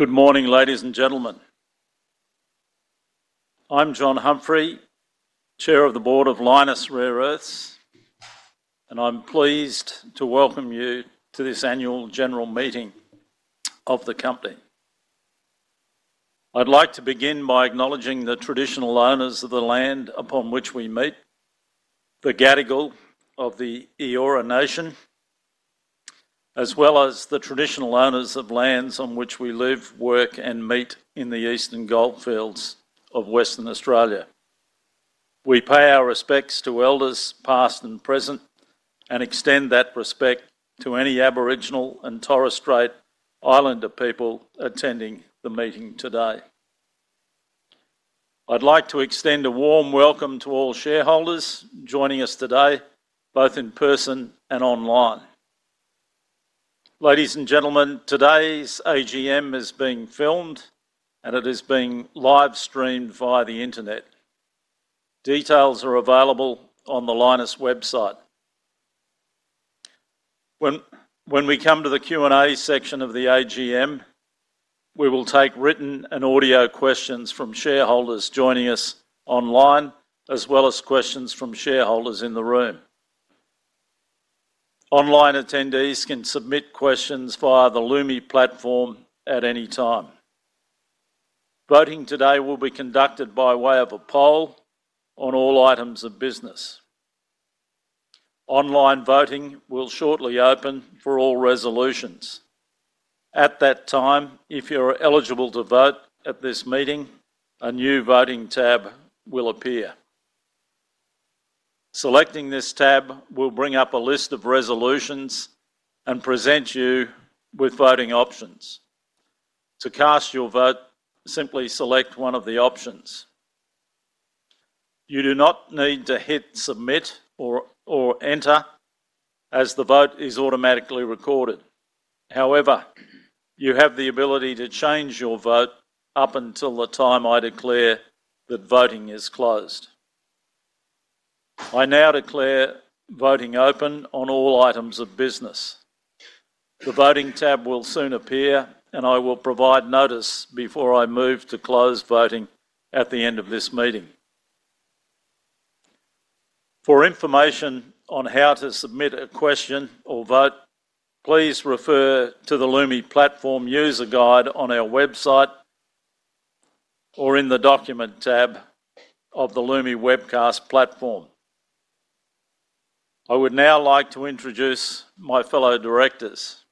Good morning, ladies and gentlemen. I'm John Humphrey, Chair of the Board of Lynas Rare Earths, and I'm pleased to welcome you to this annual general meeting of the company. I'd like to begin by acknowledging the traditional owners of the land upon which we meet, the Gadigal of the Eora Nation, as well as the traditional owners of lands on which we live, work, and meet in the Eastern Goldfields of Western Australia. We pay our respects to elders past and present, and extend that respect to any Aboriginal and Torres Strait Islander people attending the meeting today. I'd like to extend a warm welcome to all shareholders joining us today, both in person and online. Ladies and gentlemen, today's AGM is being filmed, and it is being live-streamed via the internet. Details are available on the Lynas website. When we come to the Q&A section of the AGM, we will take written and audio questions from shareholders joining us online, as well as questions from shareholders in the room. Online attendees can submit questions via the Lumi platform at any time. Voting today will be conducted by way of a poll on all items of business. Online voting will shortly open for all resolutions. At that time, if you're eligible to vote at this meeting, a new voting tab will appear. Selecting this tab will bring up a list of resolutions and present you with voting options. To cast your vote, simply select one of the options. You do not need to hit Submit or Enter, as the vote is automatically recorded. However, you have the ability to change your vote up until the time I declare that voting is closed. I now declare voting open on all items of business. The voting tab will soon appear, and I will provide notice before I move to close voting at the end of this meeting. For information on how to submit a question or vote, please refer to the Lumi platform user guide on our website or in the document tab of the Lumi webcast platform. I would now like to introduce my fellow directors.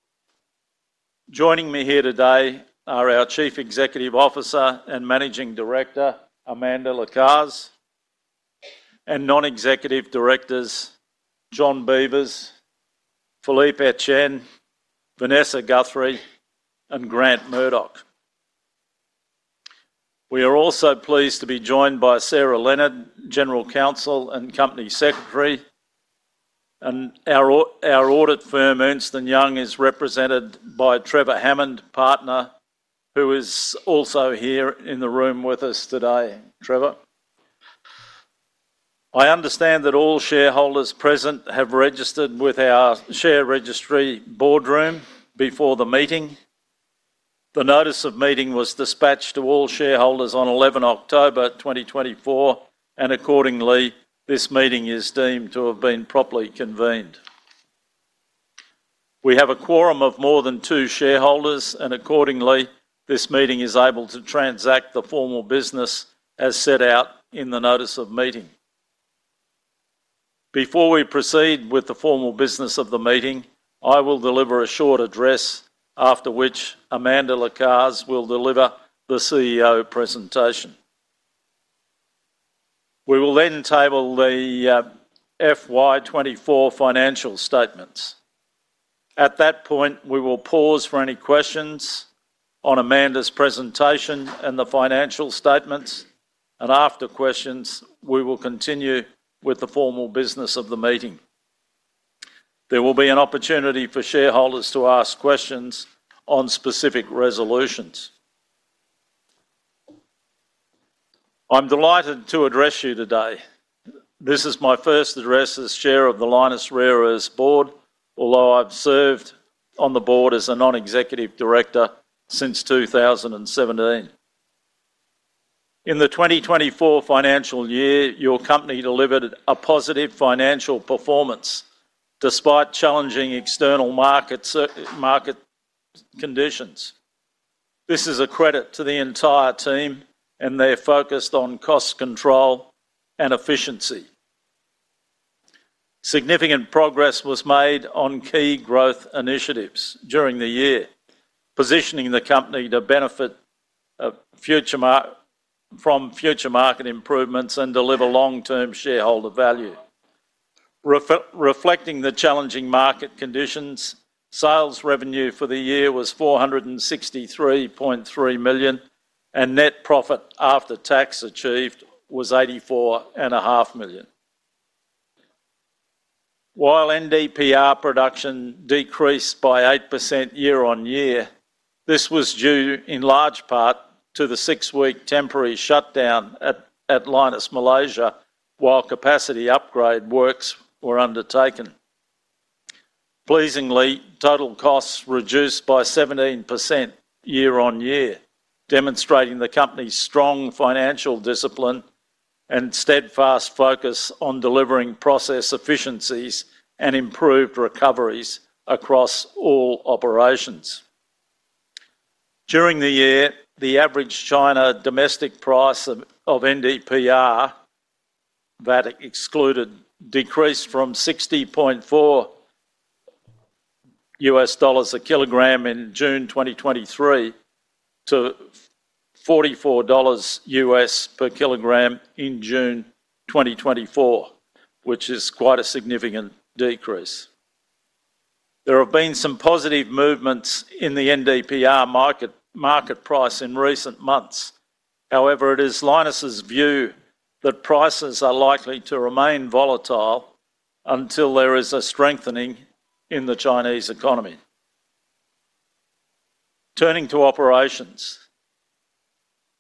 Joining me here today are our Chief Executive Officer and Managing Director, Amanda Lacaze, and non-executive directors, John Beevers, Philippe Etienne, Vanessa Guthrie, and Grant Murdoch. We are also pleased to be joined by Sarah Leonard, General Counsel and Company Secretary, and our audit firm, Ernst & Young, is represented by Trevor Hammond, Partner, who is also here in the room with us today. Trevor, I understand that all shareholders present have registered with our share registry Boardroom before the meeting. The notice of meeting was dispatched to all shareholders on 11 October 2024, and accordingly, this meeting is deemed to have been properly convened. We have a quorum of more than two shareholders, and accordingly, this meeting is able to transact the formal business as set out in the notice of meeting. Before we proceed with the formal business of the meeting, I will deliver a short address, after which Amanda Lacaze will deliver the CEO presentation. We will then table the FY24 financial statements. At that point, we will pause for any questions on Amanda's presentation and the financial statements, and after questions, we will continue with the formal business of the meeting. There will be an opportunity for shareholders to ask questions on specific resolutions. I'm delighted to address you today. This is my first address as Chair of the Lynas Rare Earths Board, although I've served on the board as a non-executive director since 2017. In the 2024 financial year, your company delivered a positive financial performance despite challenging external market conditions. This is a credit to the entire team, and they're focused on cost control and efficiency. Significant progress was made on key growth initiatives during the year, positioning the company to benefit from future market improvements and deliver long-term shareholder value. Reflecting the challenging market conditions, sales revenue for the year was 463.3 million, and net profit after tax achieved was 84.5 million. While NdPr production decreased by 8% year on year, this was due in large part to the six-week temporary shutdown at Lynas Malaysia while capacity upgrade works were undertaken. Pleasingly, total costs reduced by 17% year on year, demonstrating the company's strong financial discipline and steadfast focus on delivering process efficiencies and improved recoveries across all operations. During the year, the average China domestic price of NdPr, VAT excluded, decreased from $60.4 a kilogram in June 2023 to $44 per kilogram in June 2024, which is quite a significant decrease. There have been some positive movements in the NdPr market price in recent months. However, it is Lynas's view that prices are likely to remain volatile until there is a strengthening in the Chinese economy. Turning to operations,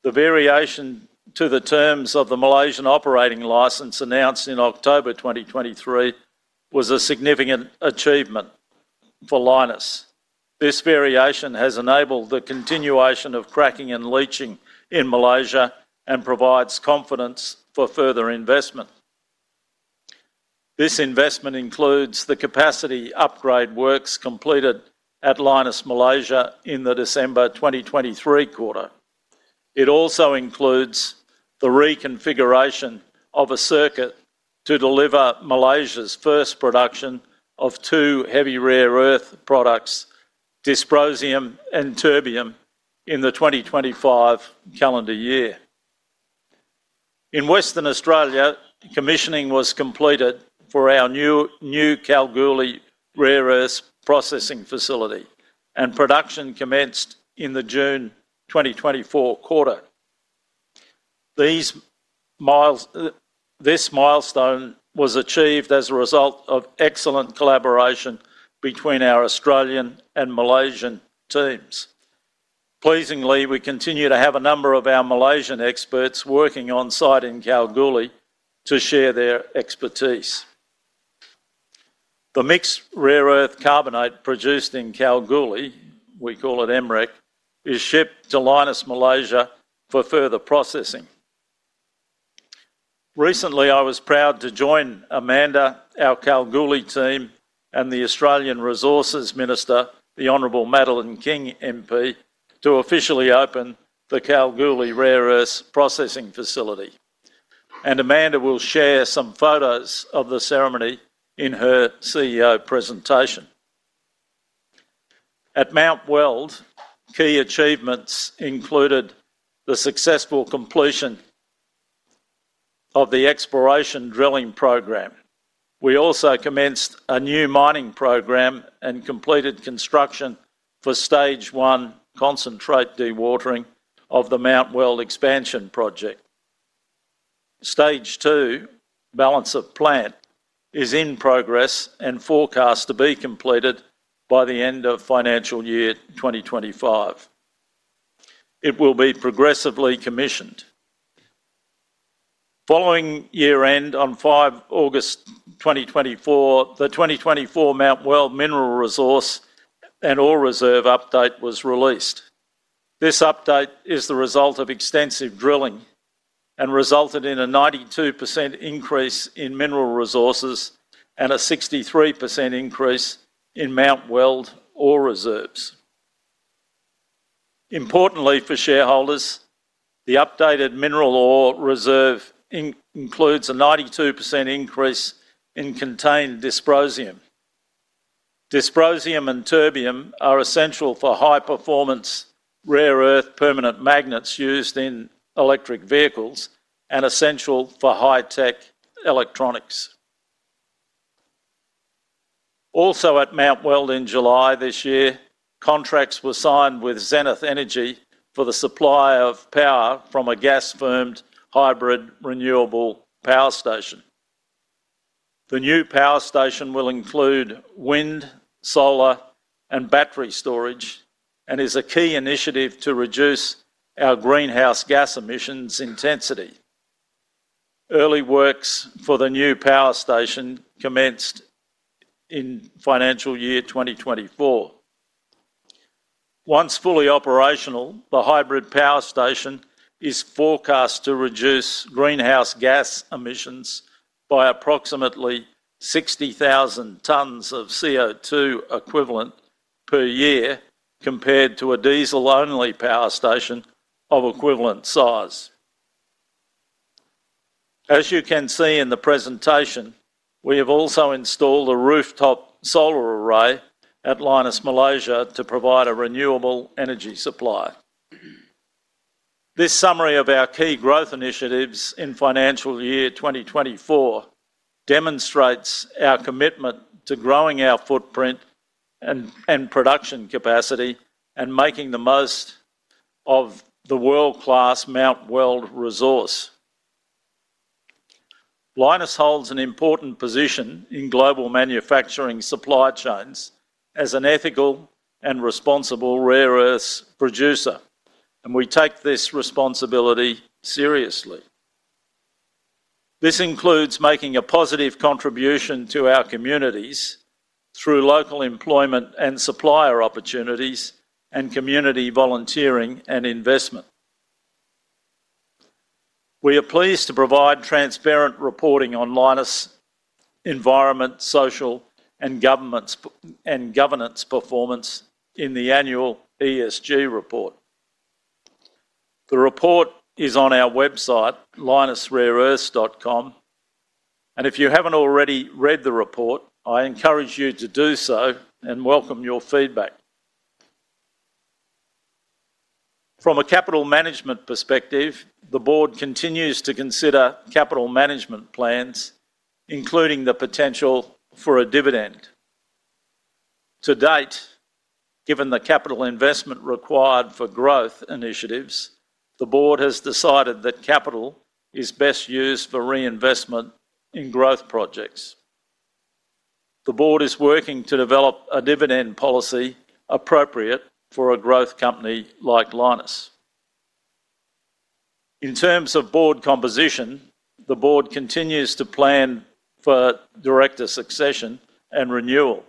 the variation to the terms of the Malaysian operating license announced in October 2023 was a significant achievement for Lynas. This variation has enabled the continuation of cracking and leaching in Malaysia and provides confidence for further investment. This investment includes the capacity upgrade works completed at Lynas Malaysia in the December 2023 quarter. It also includes the reconfiguration of a circuit to deliver Malaysia's first production of two heavy rare earth products, dysprosium and terbium, in the 2025 calendar year. In Western Australia, commissioning was completed for our new Kalgoorlie Rare Earths processing facility, and production commenced in the June 2024 quarter. This milestone was achieved as a result of excellent collaboration between our Australian and Malaysian teams. Pleasingly, we continue to have a number of our Malaysian experts working on site in Kalgoorlie to share their expertise. The mixed rare earth carbonate produced in Kalgoorlie, we call it MREC, is shipped to Lynas Malaysia for further processing. Recently, I was proud to join Amanda, our Kalgoorlie team, and the Australian Resources Minister, the Honourable Madeleine King, MP, to officially open the Kalgoorlie Rare Earths processing facility. Amanda will share some photos of the ceremony in her CEO presentation. At Mount Weld, key achievements included the successful completion of the exploration drilling program. We also commenced a new mining program and completed construction for Stage One Concentrate dewatering of the Mount Weld expansion project. Stage Two, Balance of Plant, is in progress and forecast to be completed by the end of financial year 2025. It will be progressively commissioned. Following year-end, on 5 August 2024, the 2024 Mount Weld mineral resource and ore reserve update was released. This update is the result of extensive drilling and resulted in a 92% increase in mineral resources and a 63% increase in Mount Weld ore reserves. Importantly for shareholders, the updated mineral ore reserve includes a 92% increase in contained dysprosium. Dysprosium and terbium are essential for high-performance rare earth permanent magnets used in electric vehicles and essential for high-tech electronics. Also, at Mount Weld in July this year, contracts were signed with Zenith Energy for the supply of power from a gas-firmed hybrid renewable power station. The new power station will include wind, solar, and battery storage and is a key initiative to reduce our greenhouse gas emissions intensity. Early works for the new power station commenced in financial year 2024. Once fully operational, the hybrid power station is forecast to reduce greenhouse gas emissions by approximately 60,000 tons of CO2 equivalent per year compared to a diesel-only power station of equivalent size. As you can see in the presentation, we have also installed a rooftop solar array at Lynas Malaysia to provide a renewable energy supply. This summary of our key growth initiatives in financial year 2024 demonstrates our commitment to growing our footprint and production capacity and making the most of the world-class Mount Weld resource. Lynas holds an important position in global manufacturing supply chains as an ethical and responsible rare earths producer, and we take this responsibility seriously. This includes making a positive contribution to our communities through local employment and supplier opportunities and community volunteering and investment. We are pleased to provide transparent reporting on Lynas' environmental, social, and governance performance in the annual ESG report. The report is on our website, lynasrareearths.com, and if you haven't already read the report, I encourage you to do so and welcome your feedback. From a capital management perspective, the board continues to consider capital management plans, including the potential for a dividend. To date, given the capital investment required for growth initiatives, the board has decided that capital is best used for reinvestment in growth projects. The board is working to develop a dividend policy appropriate for a growth company like Lynas. In terms of board composition, the board continues to plan for director succession and renewal.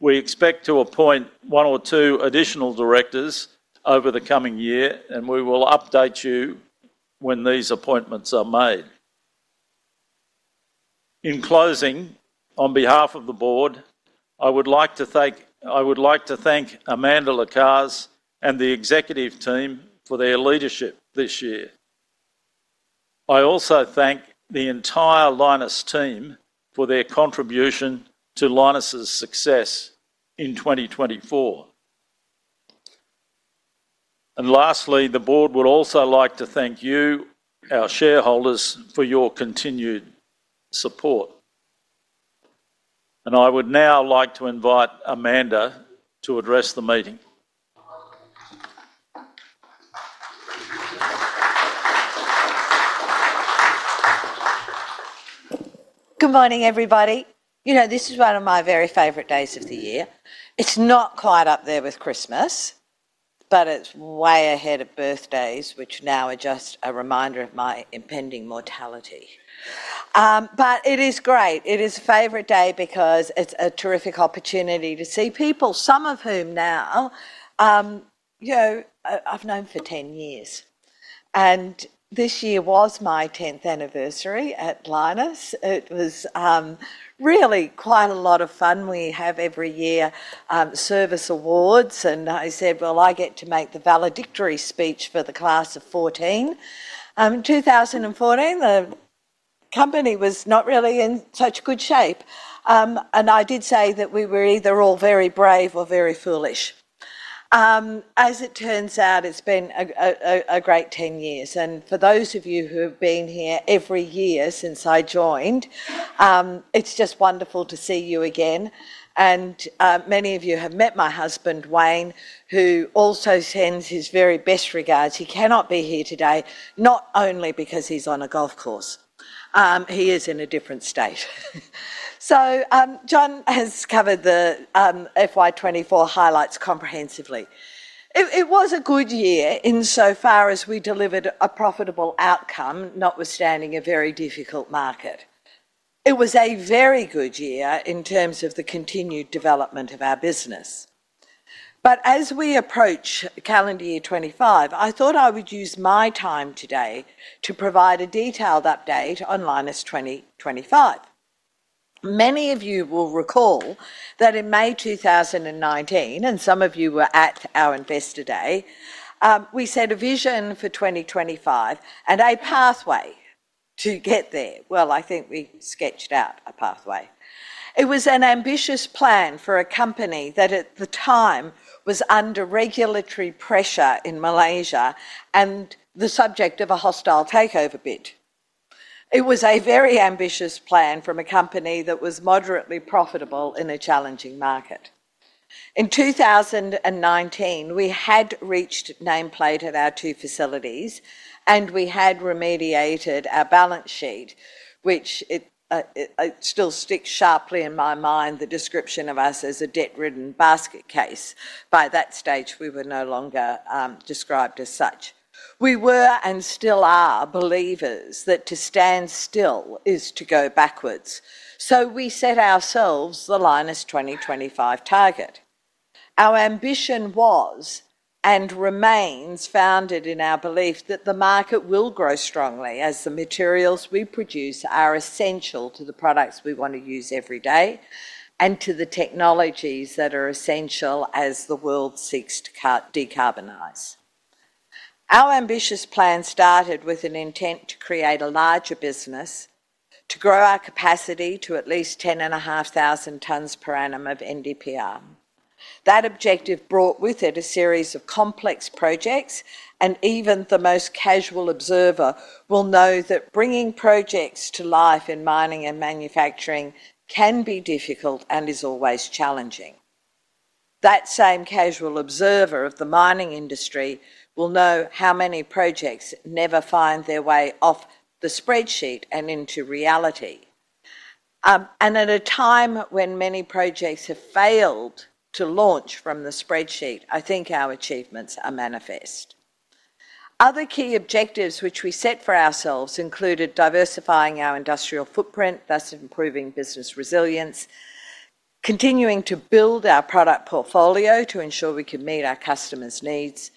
We expect to appoint one or two additional directors over the coming year, and we will update you when these appointments are made. In closing, on behalf of the board, I would like to thank Amanda Lacaze and the executive team for their leadership this year. I also thank the entire Lynas team for their contribution to Lynas' success in 2024, and lastly, the board would also like to thank you, our shareholders, for your continued support, and I would now like to invite Amanda to address the meeting. Good morning, everybody. You know, this is one of my very favorite days of the year. It's not quite up there with Christmas, but it's way ahead of birthdays, which now are just a reminder of my impending mortality. But it is great. It is a favorite day because it's a terrific opportunity to see people, some of whom now, you know, I've known for 10 years. And this year was my 10th anniversary at Lynas. It was really quite a lot of fun. We have every year service awards, and I said, well, I get to make the valedictory speech for the class of 2014. In 2014, the company was not really in such good shape. And I did say that we were either all very brave or very foolish. As it turns out, it's been a great 10 years. For those of you who have been here every year since I joined, it's just wonderful to see you again. Many of you have met my husband, Wayne, who also sends his very best regards. He cannot be here today, not only because he's on a golf course. He is in a different state. John has covered the FY24 highlights comprehensively. It was a good year insofar as we delivered a profitable outcome, notwithstanding a very difficult market. It was a very good year in terms of the continued development of our business. As we approach calendar year 2025, I thought I would use my time today to provide a detailed update on Lynas 2025. Many of you will recall that in May 2019, and some of you were at our Investor Day, we set a vision for 2025 and a pathway to get there. I think we sketched out a pathway. It was an ambitious plan for a company that at the time was under regulatory pressure in Malaysia and the subject of a hostile takeover bid. It was a very ambitious plan from a company that was moderately profitable in a challenging market. In 2019, we had reached nameplate at our two facilities, and we had remediated our balance sheet, which still sticks sharply in my mind, the description of us as a debt-ridden basket case. By that stage, we were no longer described as such. We were and still are believers that to stand still is to go backwards. We set ourselves the Lynas 2025 target. Our ambition was and remains founded in our belief that the market will grow strongly as the materials we produce are essential to the products we want to use every day and to the technologies that are essential as the world seeks to decarbonize. Our ambitious plan started with an intent to create a larger business to grow our capacity to at least 10,500 tons per annum of NdPr. That objective brought with it a series of complex projects, and even the most casual observer will know that bringing projects to life in mining and manufacturing can be difficult and is always challenging. That same casual observer of the mining industry will know how many projects never find their way off the spreadsheet and into reality. And at a time when many projects have failed to launch from the spreadsheet, I think our achievements are manifest. Other key objectives which we set for ourselves included diversifying our industrial footprint, thus improving business resilience, continuing to build our product portfolio to ensure we could meet our customers' needs,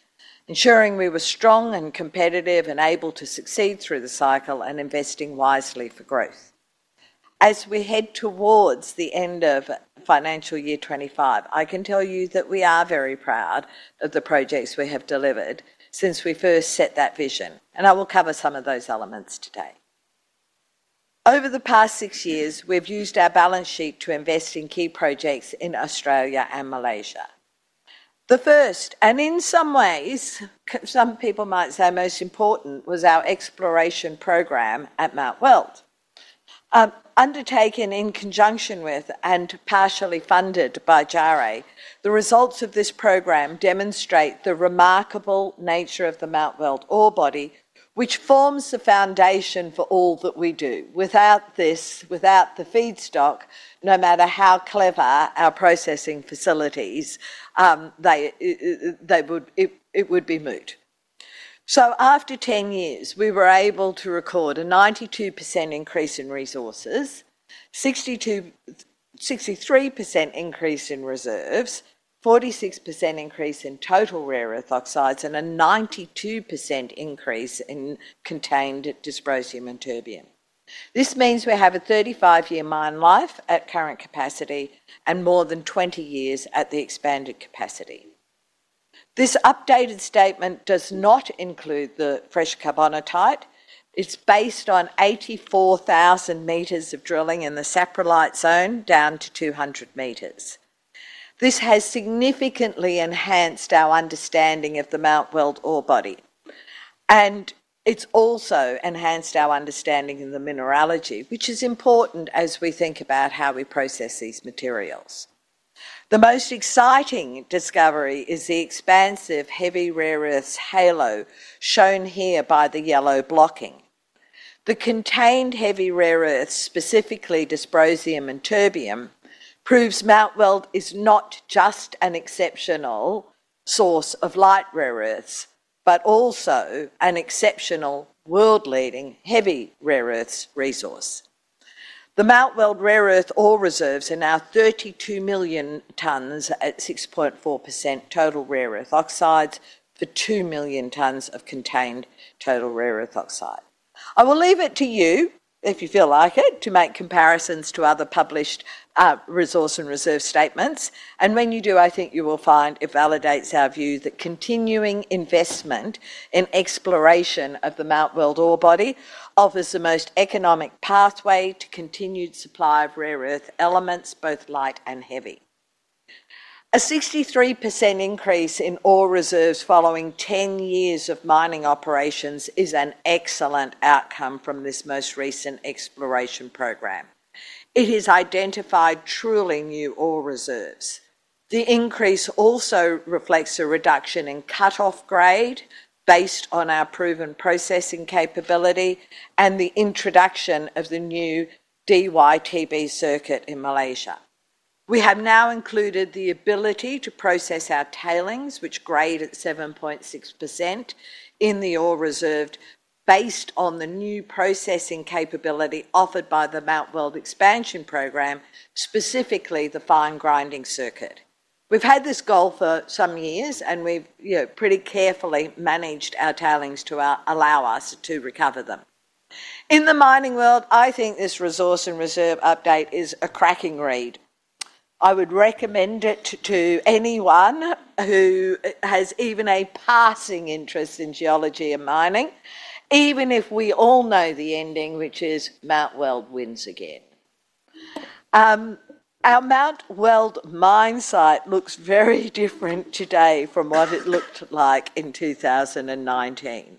ensuring we were strong and competitive and able to succeed through the cycle and investing wisely for growth. As we head towards the end of financial year 2025, I can tell you that we are very proud of the projects we have delivered since we first set that vision, and I will cover some of those elements today. Over the past six years, we've used our balance sheet to invest in key projects in Australia and Malaysia. The first, and in some ways, some people might say most important, was our exploration program at Mount Weld. Undertaken in conjunction with and partially funded by JARE, the results of this program demonstrate the remarkable nature of the Mount Weld ore body, which forms the foundation for all that we do. Without this, without the feedstock, no matter how clever our processing facilities, it would be moot. So after 10 years, we were able to record a 92% increase in resources, 63% increase in reserves, 46% increase in total rare earth oxides, and a 92% increase in contained dysprosium and terbium. This means we have a 35-year mine life at current capacity and more than 20 years at the expanded capacity. This updated statement does not include the fresh carbonatite. It's based on 84,000 meters of drilling in the saprolite zone down to 200 meters. This has significantly enhanced our understanding of the Mount Weld ore body. It's also enhanced our understanding of the mineralogy, which is important as we think about how we process these materials. The most exciting discovery is the expansive heavy rare earths halo shown here by the yellow blocking. The contained heavy rare earths, specifically dysprosium and terbium, proves Mount Weld is not just an exceptional source of light rare earths, but also an exceptional world-leading heavy rare earths resource. The Mount Weld rare earth ore reserves are now 32 million tons at 6.4% total rare earth oxides for 2 million tons of contained total rare earth oxide. I will leave it to you, if you feel like it, to make comparisons to other published resource and reserve statements. When you do, I think you will find it validates our view that continuing investment in exploration of the Mount Weld ore body offers the most economic pathway to continued supply of rare earth elements, both light and heavy. A 63% increase in ore reserves following 10 years of mining operations is an excellent outcome from this most recent exploration program. It has identified truly new ore reserves. The increase also reflects a reduction in cutoff grade based on our proven processing capability and the introduction of the new DyTb circuit in Malaysia. We have now included the ability to process our tailings, which grade at 7.6% in the ore reserves, based on the new processing capability offered by the Mount Weld expansion program, specifically the fine grinding circuit. We've had this goal for some years, and we've pretty carefully managed our tailings to allow us to recover them. In the mining world, I think this resource and reserve update is a cracking read. I would recommend it to anyone who has even a passing interest in geology and mining, even if we all know the ending, which is Mount Weld wins again. Our Mount Weld mine site looks very different today from what it looked like in 2019.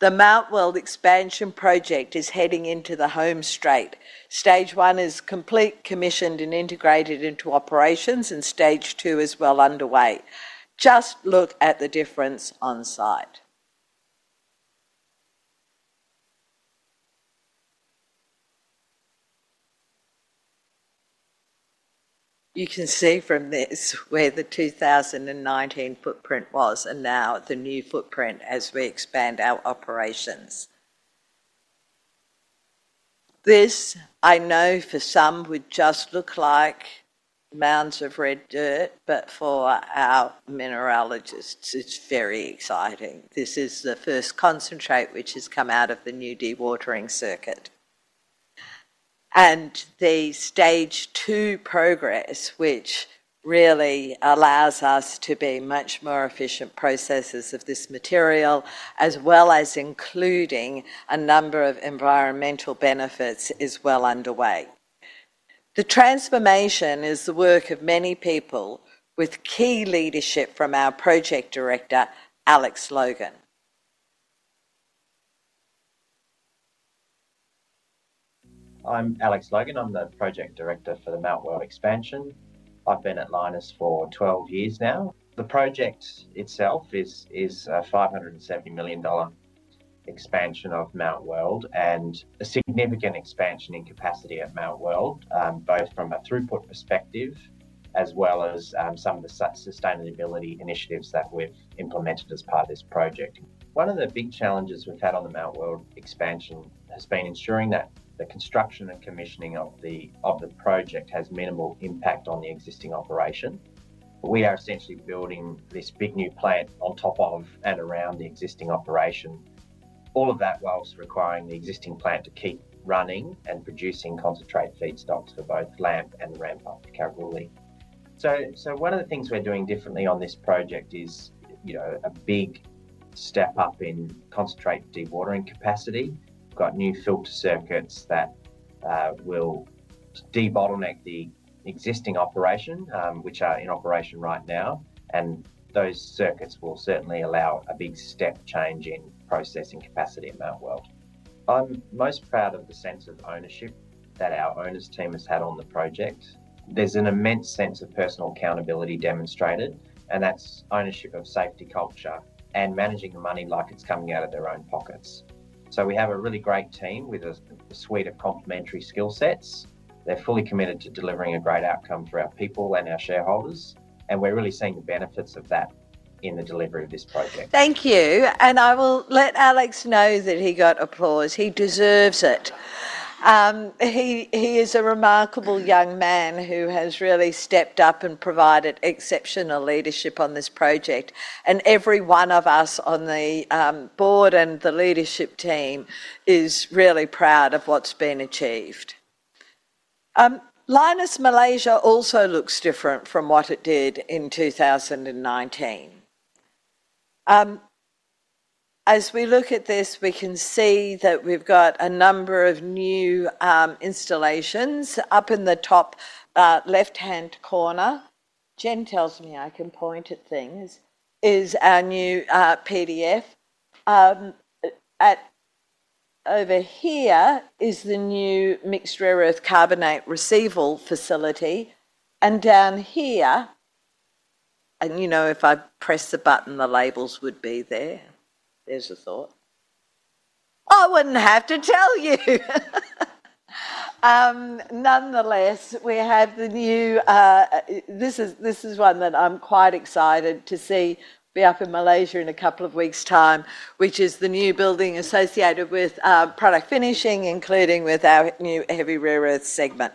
The Mount Weld expansion project is heading into the home straight. Stage one is complete, commissioned, and integrated into operations, and stage two is well underway. Just look at the difference on site. You can see from this where the 2019 footprint was and now the new footprint as we expand our operations. This, I know for some would just look like mounds of red dirt, but for our mineralogists, it's very exciting. This is the first concentrate which has come out of the new dewatering circuit. The stage two progress, which really allows us to be much more efficient processors of this material, as well as including a number of environmental benefits, is well underway. The transformation is the work of many people with key leadership from our project director, Alex Logan. I'm Alex Logan. I'm the project director for the Mount Weld expansion. I've been at Lynas for 12 years now. The project itself is a 570 million dollar expansion of Mount Weld and a significant expansion in capacity at Mount Weld, both from a throughput perspective as well as some of the sustainability initiatives that we've implemented as part of this project. One of the big challenges we've had on the Mount Weld expansion has been ensuring that the construction and commissioning of the project has minimal impact on the existing operation. We are essentially building this big new plant on top of and around the existing operation, all of that while requiring the existing plant to keep running and producing concentrate feedstocks for both LAMP and ramp up Kalgoorlie. One of the things we're doing differently on this project is a big step up in concentrate dewatering capacity. We've got new filter circuits that will de-bottleneck the existing operation, which are in operation right now. Those circuits will certainly allow a big step change in processing capacity at Mount Weld. I'm most proud of the sense of ownership that our owners team has had on the project. There's an immense sense of personal accountability demonstrated, and that's ownership of safety culture and managing the money like it's coming out of their own pockets. We have a really great team with a suite of complementary skill sets. They're fully committed to delivering a great outcome for our people and our shareholders. And we're really seeing the benefits of that in the delivery of this project. Thank you. And I will let Alex know that he got applause. He deserves it. He is a remarkable young man who has really stepped up and provided exceptional leadership on this project. And every one of us on the board and the leadership team is really proud of what's been achieved. Lynas Malaysia also looks different from what it did in 2019. As we look at this, we can see that we've got a number of new installations. Up in the top left-hand corner, Jen tells me I can point at things, is our new PDF. Over here is the new Mixed Rare Earth Carbonate receival facility. Down here, and you know if I press the button, the labels would be there. There's a thought. I wouldn't have to tell you. Nonetheless, we have the new—this is one that I'm quite excited to see be up in Malaysia in a couple of weeks' time, which is the new building associated with product finishing, including with our new heavy rare earth segment.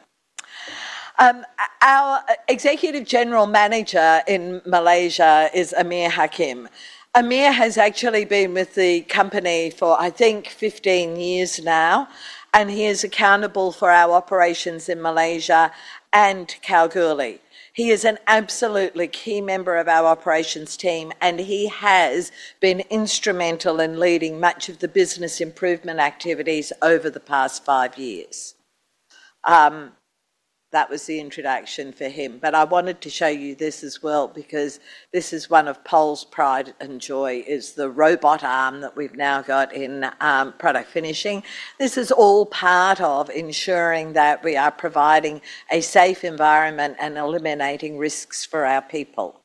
Our Executive General Manager in Malaysia is Amir Hakim. Amir has actually been with the company for, I think, 15 years now, and he is accountable for our operations in Malaysia and Kalgoorlie. He is an absolutely key member of our operations team, and he has been instrumental in leading much of the business improvement activities over the past five years. That was the introduction for him. But I wanted to show you this as well, because this is one of Paul's pride and joy, is the robot arm that we've now got in product finishing. This is all part of ensuring that we are providing a safe environment and eliminating risks for our people.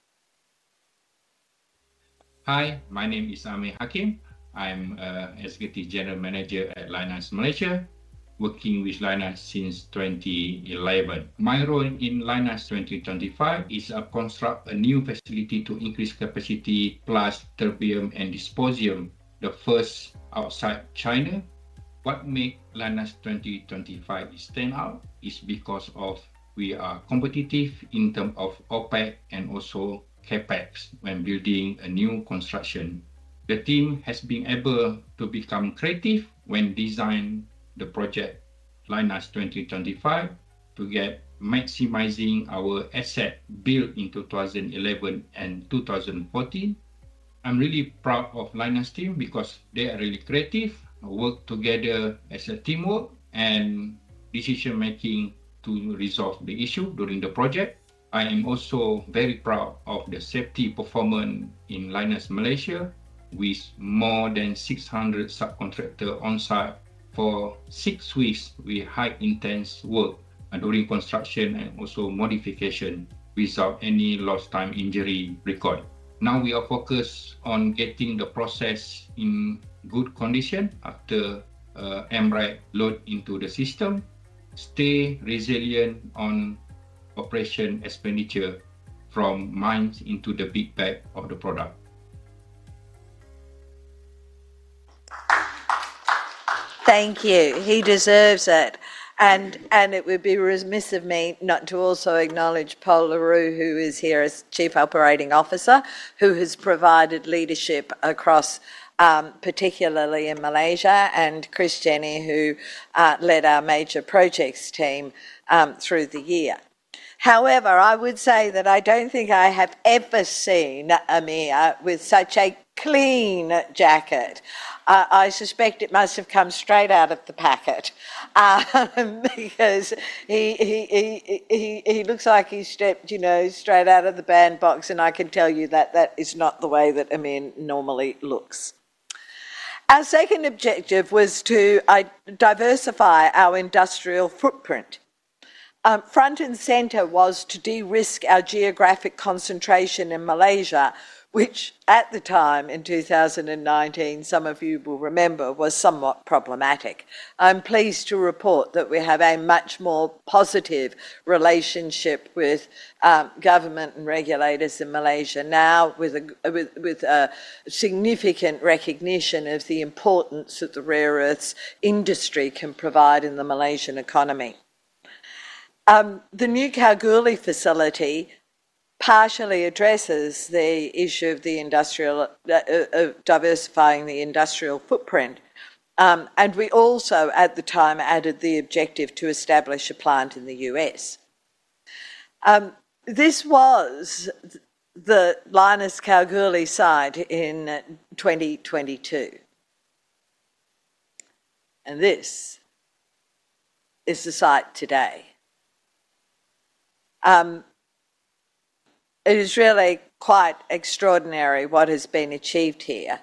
Hi, my name is Amir Hakim. I'm an Executive General Manager at Lynas Malaysia, working with Lynas since 2011. My role in Lynas 2025 is to construct a new facility to increase capacity, plus terbium and dysprosium, the first outside China. What makes Lynas 2025 stand out is because we are competitive in terms of OPEX and also CapEx when building a new construction. The team has been able to become creative when designing the project Lynas 2025 to get maximizing our asset built in 2011 and 2014. I'm really proud of Lynas team because they are really creative, work together as a teamwork and decision-making to resolve the issue during the project. I am also very proud of the safety performance in Lynas Malaysia, with more than 600 subcontractors on site for six weeks with high-intense work during construction and also modification without any lost-time injury record. Now we are focused on getting the process in good condition after MREC load into the system, stay resilient on operation expenditure from mines into the big bag of the product. Thank you. He deserves it. And it would be remiss of me not to also acknowledge Pol Le Roux, who is here as Chief Operating Officer, who has provided leadership across, particularly in Malaysia, and Chris Jennings, who led our major projects team through the year. However, I would say that I don't think I have ever seen Amir with such a clean jacket. I suspect it must have come straight out of the packet because he looks like he stepped straight out of the band box, and I can tell you that that is not the way that Amir normally looks. Our second objective was to diversify our industrial footprint. Front and centre was to de-risk our geographic concentration in Malaysia, which at the time, in 2019, some of you will remember, was somewhat problematic. I'm pleased to report that we have a much more positive relationship with government and regulators in Malaysia now, with a significant recognition of the importance that the rare earths industry can provide in the Malaysian economy. The new Kalgoorlie facility partially addresses the issue of diversifying the industrial footprint. And we also, at the time, added the objective to establish a plant in the U.S. This was the Lynas Kalgoorlie site in 2022. And this is the site today. It is really quite extraordinary what has been achieved here.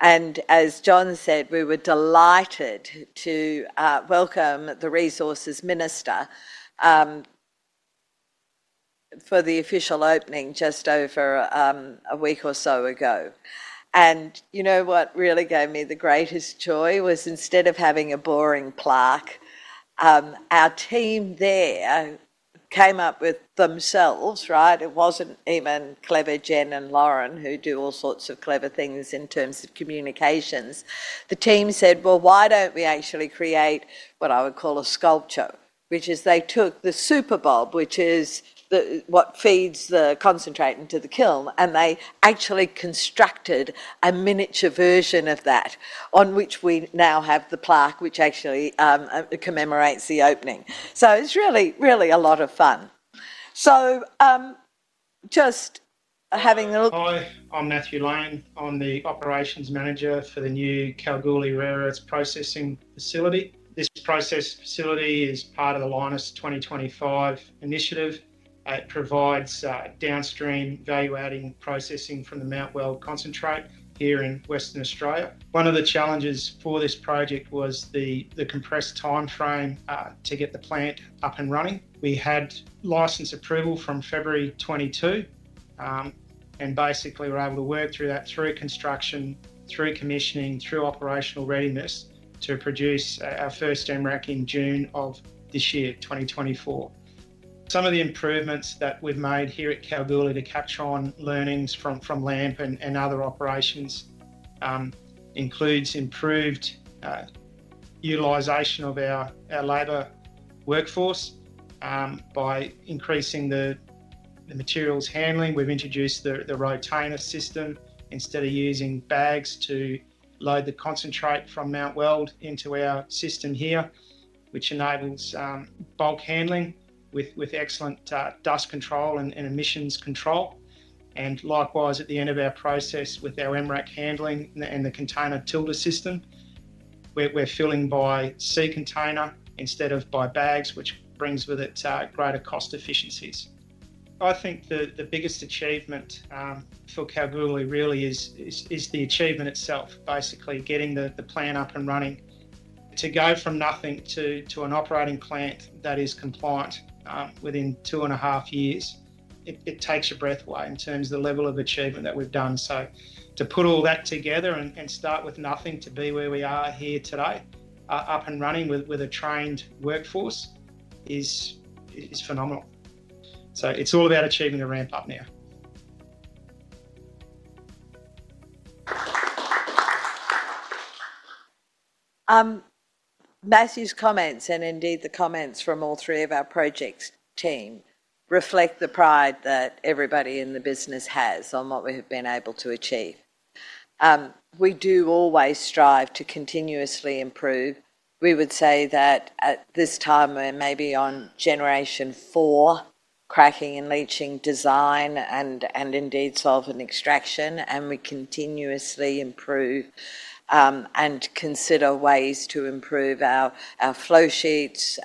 And as John said, we were delighted to welcome the Resources Minister for the official opening just over a week or so ago. And you know what really gave me the greatest joy was instead of having a boring plaque, our team there came up with themselves, right? It wasn't even clever Jen and Lauren, who do all sorts of clever things in terms of communications. The team said, well, why don't we actually create what I would call a sculpture, which is they took the Superbag, which is what feeds the concentrate into the kiln, and they actually constructed a miniature version of that, on which we now have the plaque, which actually commemorates the opening. So it's really, really a lot of fun. So just having a little fun. Hi, I'm Matthew Lane. I'm the operations manager for the new Kalgoorlie rare earths processing facility. This processing facility is part of the Lynas 2025 initiative. It provides downstream value-adding processing from the Mount Weld concentrate here in Western Australia. One of the challenges for this project was the compressed time frame to get the plant up and running. We had license approval from February 2022, and basically were able to work through that through construction, through commissioning, through operational readiness to produce our first MREC in June of this year, 2024. Some of the improvements that we've made here at Kalgoorlie, the catch-on learnings from LAMP and other operations, includes improved utilization of our labor workforce by increasing the materials handling. We've introduced the Rotainer system instead of using bags to load the concentrate from Mount Weld into our system here, which enables bulk handling with excellent dust control and emissions control. And likewise, at the end of our process with our MREC handling and the container tilter system, we're filling by sea container instead of by bags, which brings with it greater cost efficiencies. I think the biggest achievement for Kalgoorlie really is the achievement itself, basically getting the plant up and running. To go from nothing to an operating plant that is compliant within two and a half years, it takes your breath away in terms of the level of achievement that we've done. So to put all that together and start with nothing to be where we are here today, up and running with a trained workforce is phenomenal. So it's all about achieving a ramp up now. Matthew's comments, and indeed the comments from all three of our projects team, reflect the pride that everybody in the business has on what we have been able to achieve. We do always strive to continuously improve. We would say that at this time, we're maybe on generation four, cracking and leaching design, and indeed solvent extraction, and we continuously improve and consider ways to improve our flow sheets,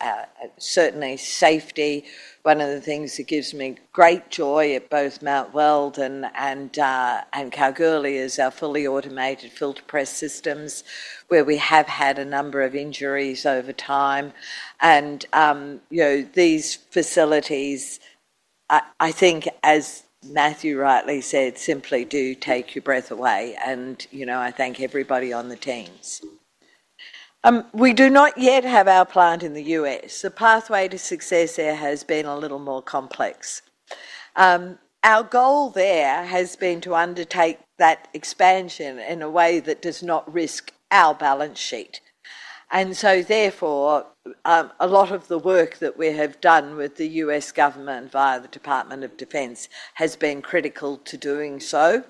certainly safety. One of the things that gives me great joy at both Mount Weld and Kalgoorlie is our fully automated filter press systems, where we have had a number of injuries over time, and these facilities, I think, as Matthew rightly said, simply do take your breath away. And I thank everybody on the teams. We do not yet have our plant in the U.S. The pathway to success there has been a little more complex. Our goal there has been to undertake that expansion in a way that does not risk our balance sheet, and so therefore, a lot of the work that we have done with the U.S. government via the Department of Defense has been critical to doing so.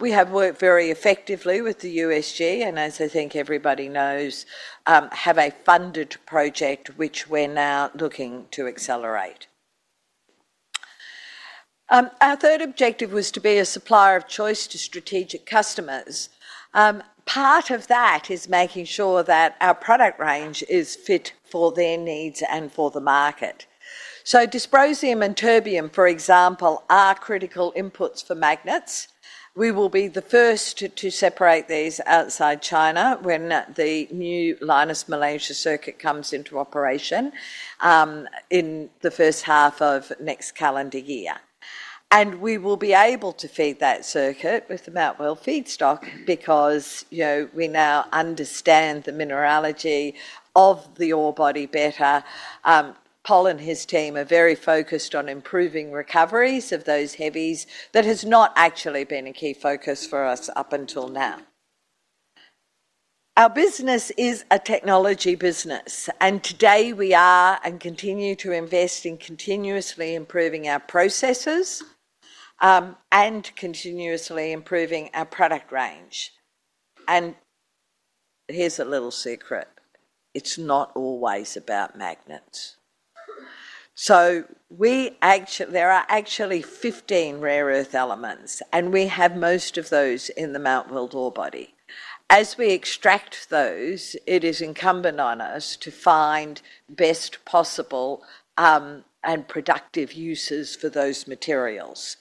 We have worked very effectively with the USG, and as I think everybody knows, have a funded project, which we're now looking to accelerate. Our third objective was to be a supplier of choice to strategic customers. Part of that is making sure that our product range is fit for their needs and for the market. So dysprosium and terbium, for example, are critical inputs for magnets. We will be the first to separate these outside China when the new Lynas Malaysia circuit comes into operation in the first half of next calendar year. And we will be able to feed that circuit with the Mount Weld feedstock because we now understand the mineralogy of the ore body better. Pol and his team are very focused on improving recoveries of those heavies that has not actually been a key focus for us up until now. Our business is a technology business, and today we are and continue to invest in continuously improving our processes and continuously improving our product range. Here's a little secret. It's not always about magnets. There are actually 15 rare earth elements, and we have most of those in the Mount Weld ore body. As we extract those, it is incumbent on us to find best possible and productive uses for those materials.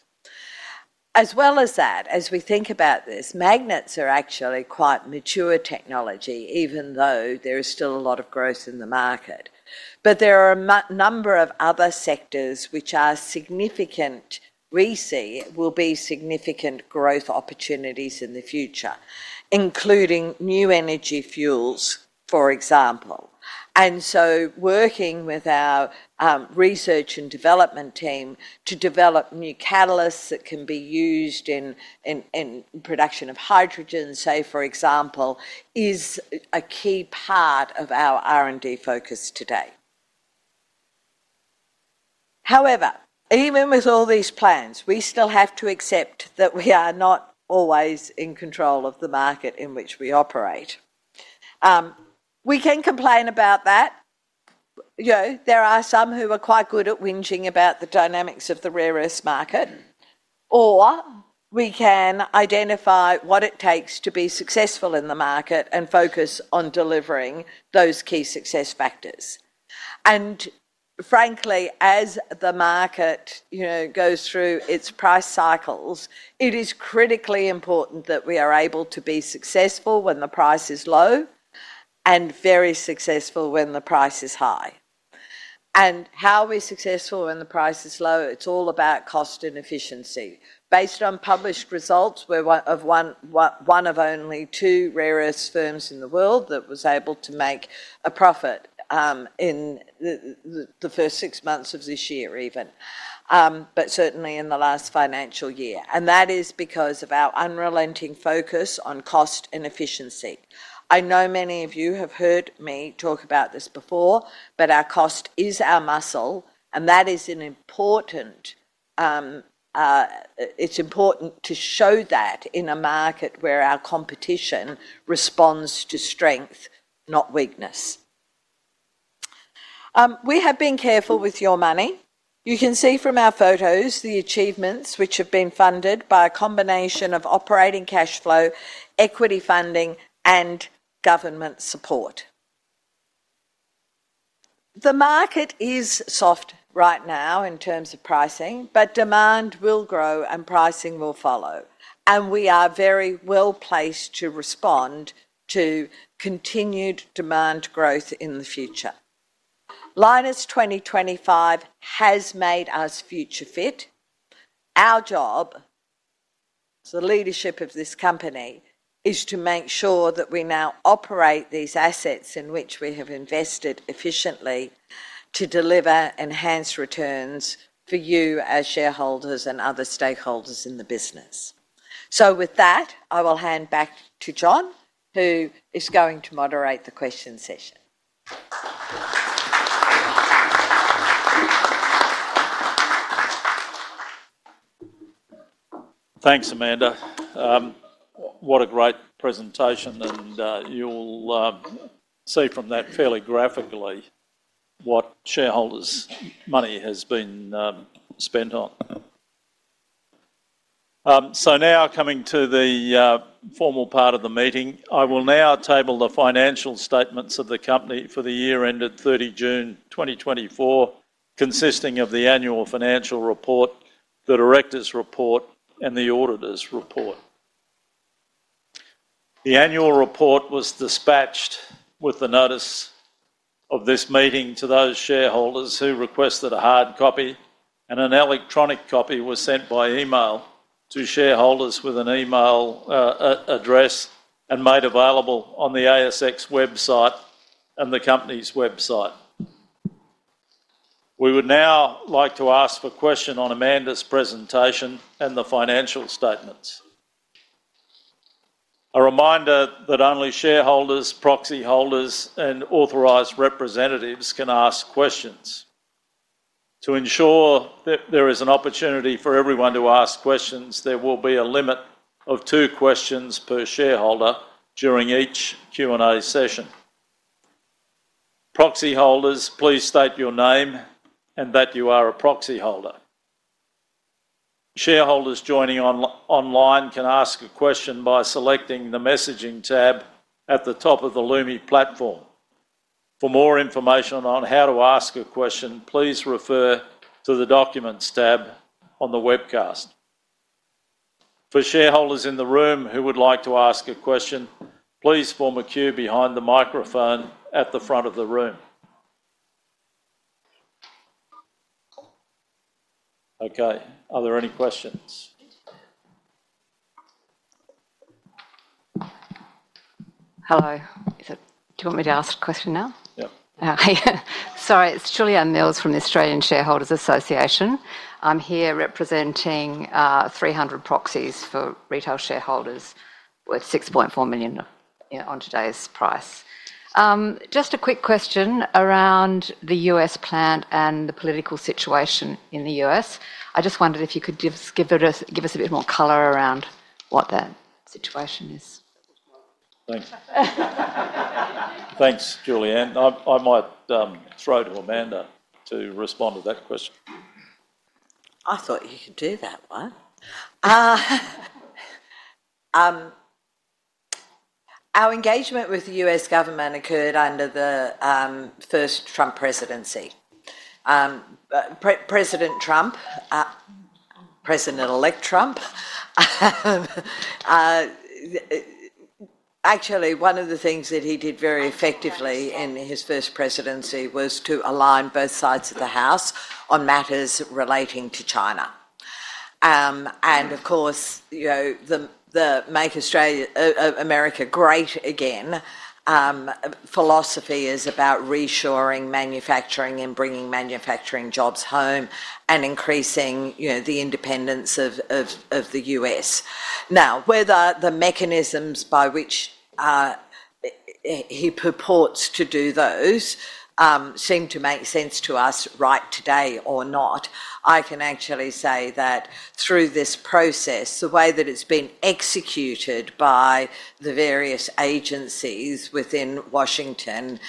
As well as that, as we think about this, magnets are actually quite mature technology, even though there is still a lot of growth in the market. There are a number of other sectors which are significant. We see will be significant growth opportunities in the future, including new energy fuels, for example. Working with our research and development team to develop new catalysts that can be used in production of hydrogen, say, for example, is a key part of our R&D focus today. However, even with all these plans, we still have to accept that we are not always in control of the market in which we operate. We can complain about that. There are some who are quite good at whinging about the dynamics of the rare earths market, or we can identify what it takes to be successful in the market and focus on delivering those key success factors, and frankly, as the market goes through its price cycles, it is critically important that we are able to be successful when the price is low and very successful when the price is high, and how are we successful when the price is low? It's all about cost and efficiency. Based on published results, we're one of only two rare earths firms in the world that was able to make a profit in the first six months of this year, even, but certainly in the last financial year, and that is because of our unrelenting focus on cost and efficiency. I know many of you have heard me talk about this before, but our cost is our muscle, and that is an important, it's important to show that in a market where our competition responds to strength, not weakness. We have been careful with your money. You can see from our photos the achievements which have been funded by a combination of operating cash flow, equity funding, and government support. The market is soft right now in terms of pricing, but demand will grow and pricing will follow. And we are very well placed to respond to continued demand growth in the future. Lynas 2025 has made us future fit. Our job, the leadership of this company, is to make sure that we now operate these assets in which we have invested efficiently to deliver enhanced returns for you as shareholders and other stakeholders in the business. So with that, I will hand back to John, who is going to moderate the question session. Thanks, Amanda. What a great presentation. And you'll see from that fairly graphically what shareholders' money has been spent on. So now coming to the formal part of the meeting, I will now table the financial statements of the company for the year ended 30 June 2024, consisting of the annual financial report, the director's report, and the auditor's report. The annual report was dispatched with the notice of this meeting to those shareholders who requested a hard copy, and an electronic copy was sent by email to shareholders with an email address and made available on the ASX website and the company's website. We would now like to ask for a question on Amanda's presentation and the financial statements. A reminder that only shareholders, proxy holders, and authorized representatives can ask questions. To ensure that there is an opportunity for everyone to ask questions, there will be a limit of two questions per shareholder during each Q&A session. Proxy holders, please state your name and that you are a proxy holder. Shareholders joining online can ask a question by selecting the messaging tab at the top of the Lumi platform. For more information on how to ask a question, please refer to the documents tab on the webcast. For shareholders in the room who would like to ask a question, please form a queue behind the microphone at the front of the room. Okay. Are there any questions? Hello. Do you want me to ask a question now? Yeah. Sorry. It's Julianne Mills from the Australian Shareholders Association. I'm here representing 300 proxies for retail shareholders worth 6.4 million on today's price. Just a quick question around the U.S. plant and the political situation in the U.S. I just wondered if you could give us a bit more color around what that situation is. Thanks. Thanks, Julianne. I might throw to Amanda to respond to that question. I thought you could do that one. Our engagement with the U.S. government occurred under the first Trump presidency. President Trump, President-elect Trump, actually, one of the things that he did very effectively in his first presidency was to align both sides of the House on matters relating to China. And of course, the Make America Great Again philosophy is about reassuring manufacturing and bringing manufacturing jobs home and increasing the independence of the U.S. Now, whether the mechanisms by which he purports to do those seem to make sense to us right today or not, I can actually say that through this process, the way that it's been executed by the various agencies within Washington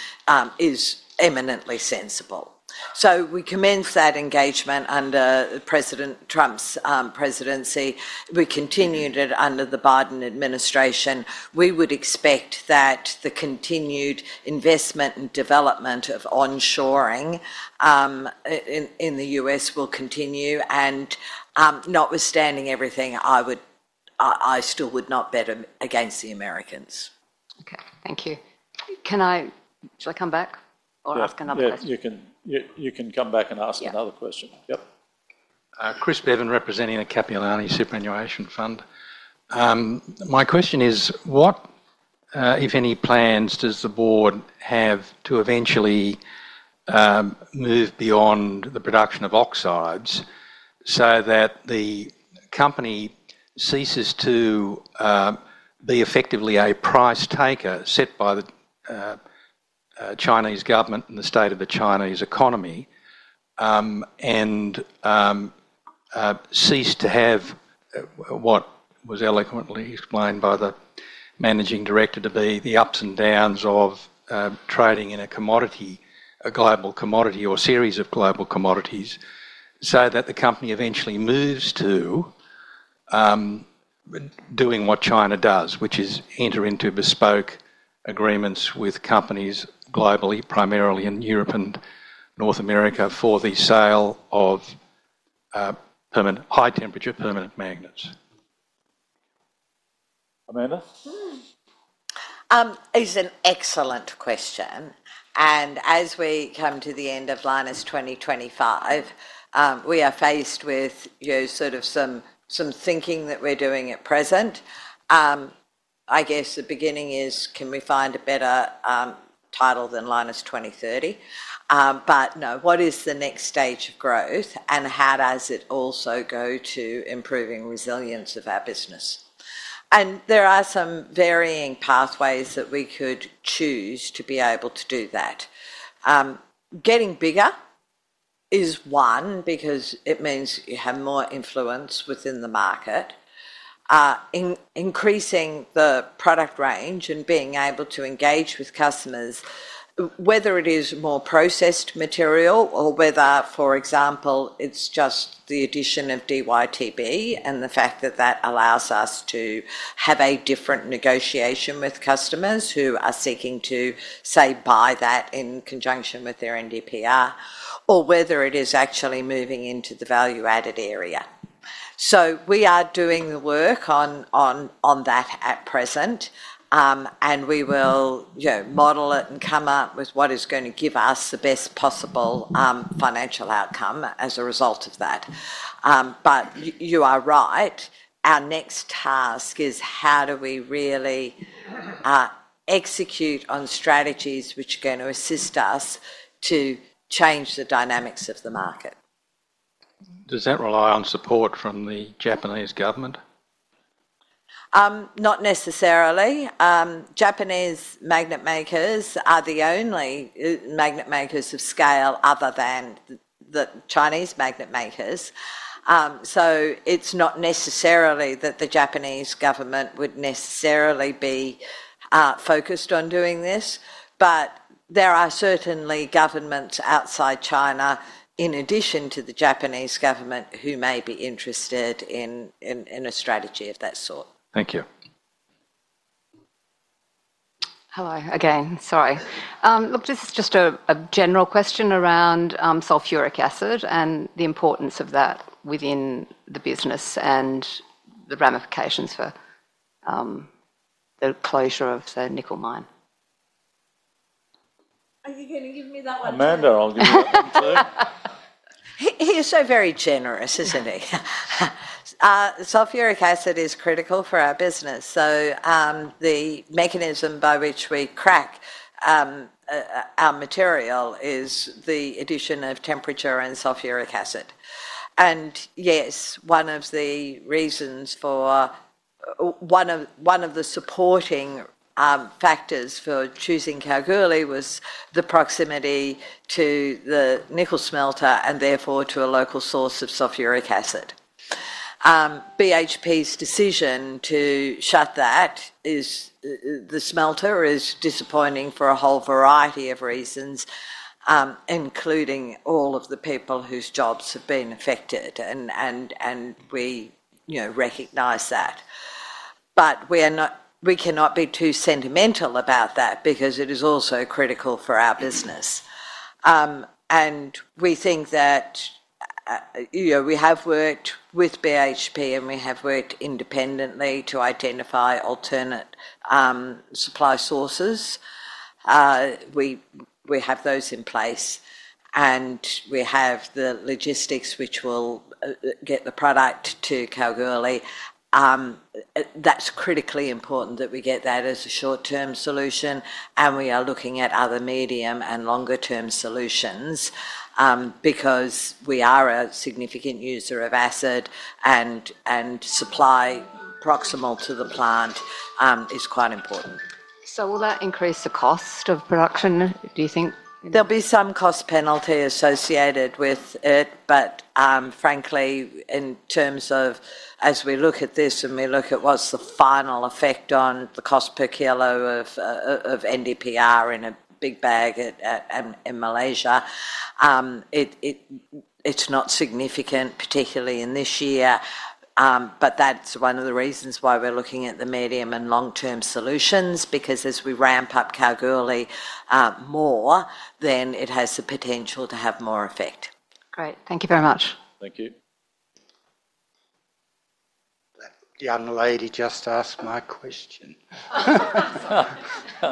is eminently sensible. So we commenced that engagement under President Trump's presidency. We continued it under the Biden administration. We would expect that the continued investment and development of onshoring in the U.S. will continue. And notwithstanding everything, I still would not bet against the Americans. Okay. Thank you. Shall I come back or ask another question? You can come back and ask another question. Yep. Chris Bevan, representing the Kupolani Superannuation Fund. My question is, what, if any, plans does the board have to eventually move beyond the production of oxides so that the company ceases to be effectively a price taker set by the Chinese government and the state of the Chinese economy and cease to have what was eloquently explained by the Managing Director to be the ups and downs of trading in a global commodity or series of global commodities so that the company eventually moves to doing what China does, which is enter into bespoke agreements with companies globally, primarily in Europe and North America, for the sale of high-temperature permanent magnets. Amanda? Is an excellent question. As we come to the end of Lynas 2025, we are faced with sort of some thinking that we're doing at present. I guess the beginning is, can we find a better title than Lynas 2030? No, what is the next stage of growth, and how does it also go to improving resilience of our business? There are some varying pathways that we could choose to be able to do that. Getting bigger is one because it means you have more influence within the market. Increasing the product range and being able to engage with customers, whether it is more processed material or whether, for example, it's just the addition of DyTb and the fact that that allows us to have a different negotiation with customers who are seeking to, say, buy that in conjunction with their NdPr, or whether it is actually moving into the value-added area. So we are doing the work on that at present, and we will model it and come up with what is going to give us the best possible financial outcome as a result of that. But you are right. Our next task is how do we really execute on strategies which are going to assist us to change the dynamics of the market? Does that rely on support from the Japanese government? Not necessarily. Japanese magnet makers are the only magnet makers of scale other than the Chinese magnet makers. So it's not necessarily that the Japanese government would necessarily be focused on doing this, but there are certainly governments outside China, in addition to the Japanese government, who may be interested in a strategy of that sort. Thank you. Hello, again. Sorry. Look, this is just a general question around sulfuric acid and the importance of that within the business and the ramifications for the closure of the nickel mine. Are you going to give me that one? Amanda, I'll give you that one too. He is so very generous, isn't he? Sulfuric acid is critical for our business. So the mechanism by which we crack our material is the addition of temperature and sulfuric acid. Yes, one of the reasons for one of the supporting factors for choosing Kalgoorlie was the proximity to the nickel smelter and therefore to a local source of sulfuric acid. BHP's decision to shut that, the smelter, is disappointing for a whole variety of reasons, including all of the people whose jobs have been affected, and we recognize that. But we cannot be too sentimental about that because it is also critical for our business. We think that we have worked with BHP, and we have worked independently to identify alternate supply sources. We have those in place, and we have the logistics which will get the product to Kalgoorlie. That's critically important that we get that as a short-term solution, and we are looking at other medium and longer-term solutions because we are a significant user of acid, and supply proximal to the plant is quite important. So will that increase the cost of production, do you think? There'll be some cost penalty associated with it, but frankly, in terms of as we look at this and we look at what's the final effect on the cost per kilo of NdPr in a big bag in Malaysia, it's not significant, particularly in this year. But that's one of the reasons why we're looking at the medium and long-term solutions because as we ramp up Kalgoorlie more, then it has the potential to have more effect. Great. Thank you very much. Thank you. The young lady just asked my question.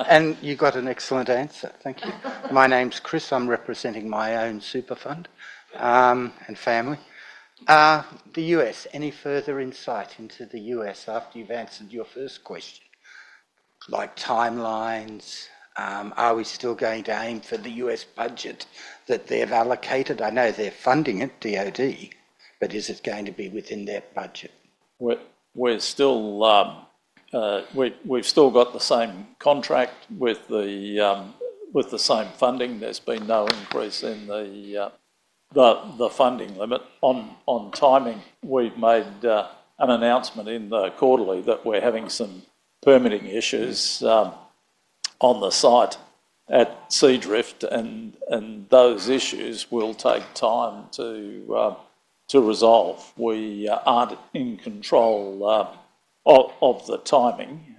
And you got an excellent answer. Thank you. My name's Chris. I'm representing my own super fund and family. The U.S., any further insight into the U.S. after you've answered your first question? Like timelines, are we still going to aim for the U.S. budget that they've allocated? I know they're funding it DoD, but is it going to be within their budget? We've still got the same contract with the same funding. There's been no increase in the funding limit. On timing, we've made an announcement in the quarterly that we're having some permitting issues on the site at Seadrift, and those issues will take time to resolve. We aren't in control of the timing.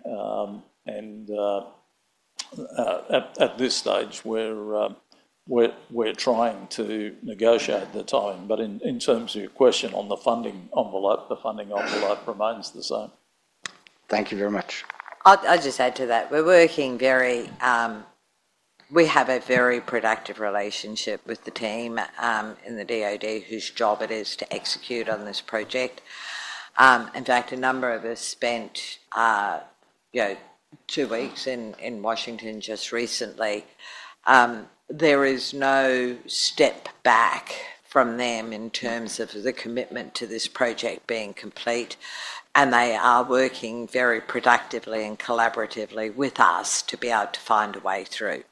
And at this stage, we're trying to negotiate the time. But in terms of your question on the funding envelope, the funding envelope remains the same. Thank you very much. I'll just add to that. We're working very—we have a very productive relationship with the team in the DoD whose job it is to execute on this project. In fact, a number of us spent two weeks in Washington just recently. There is no step back from them in terms of the commitment to this project being complete, and they are working very productively and collaboratively with us to be able to find a way through.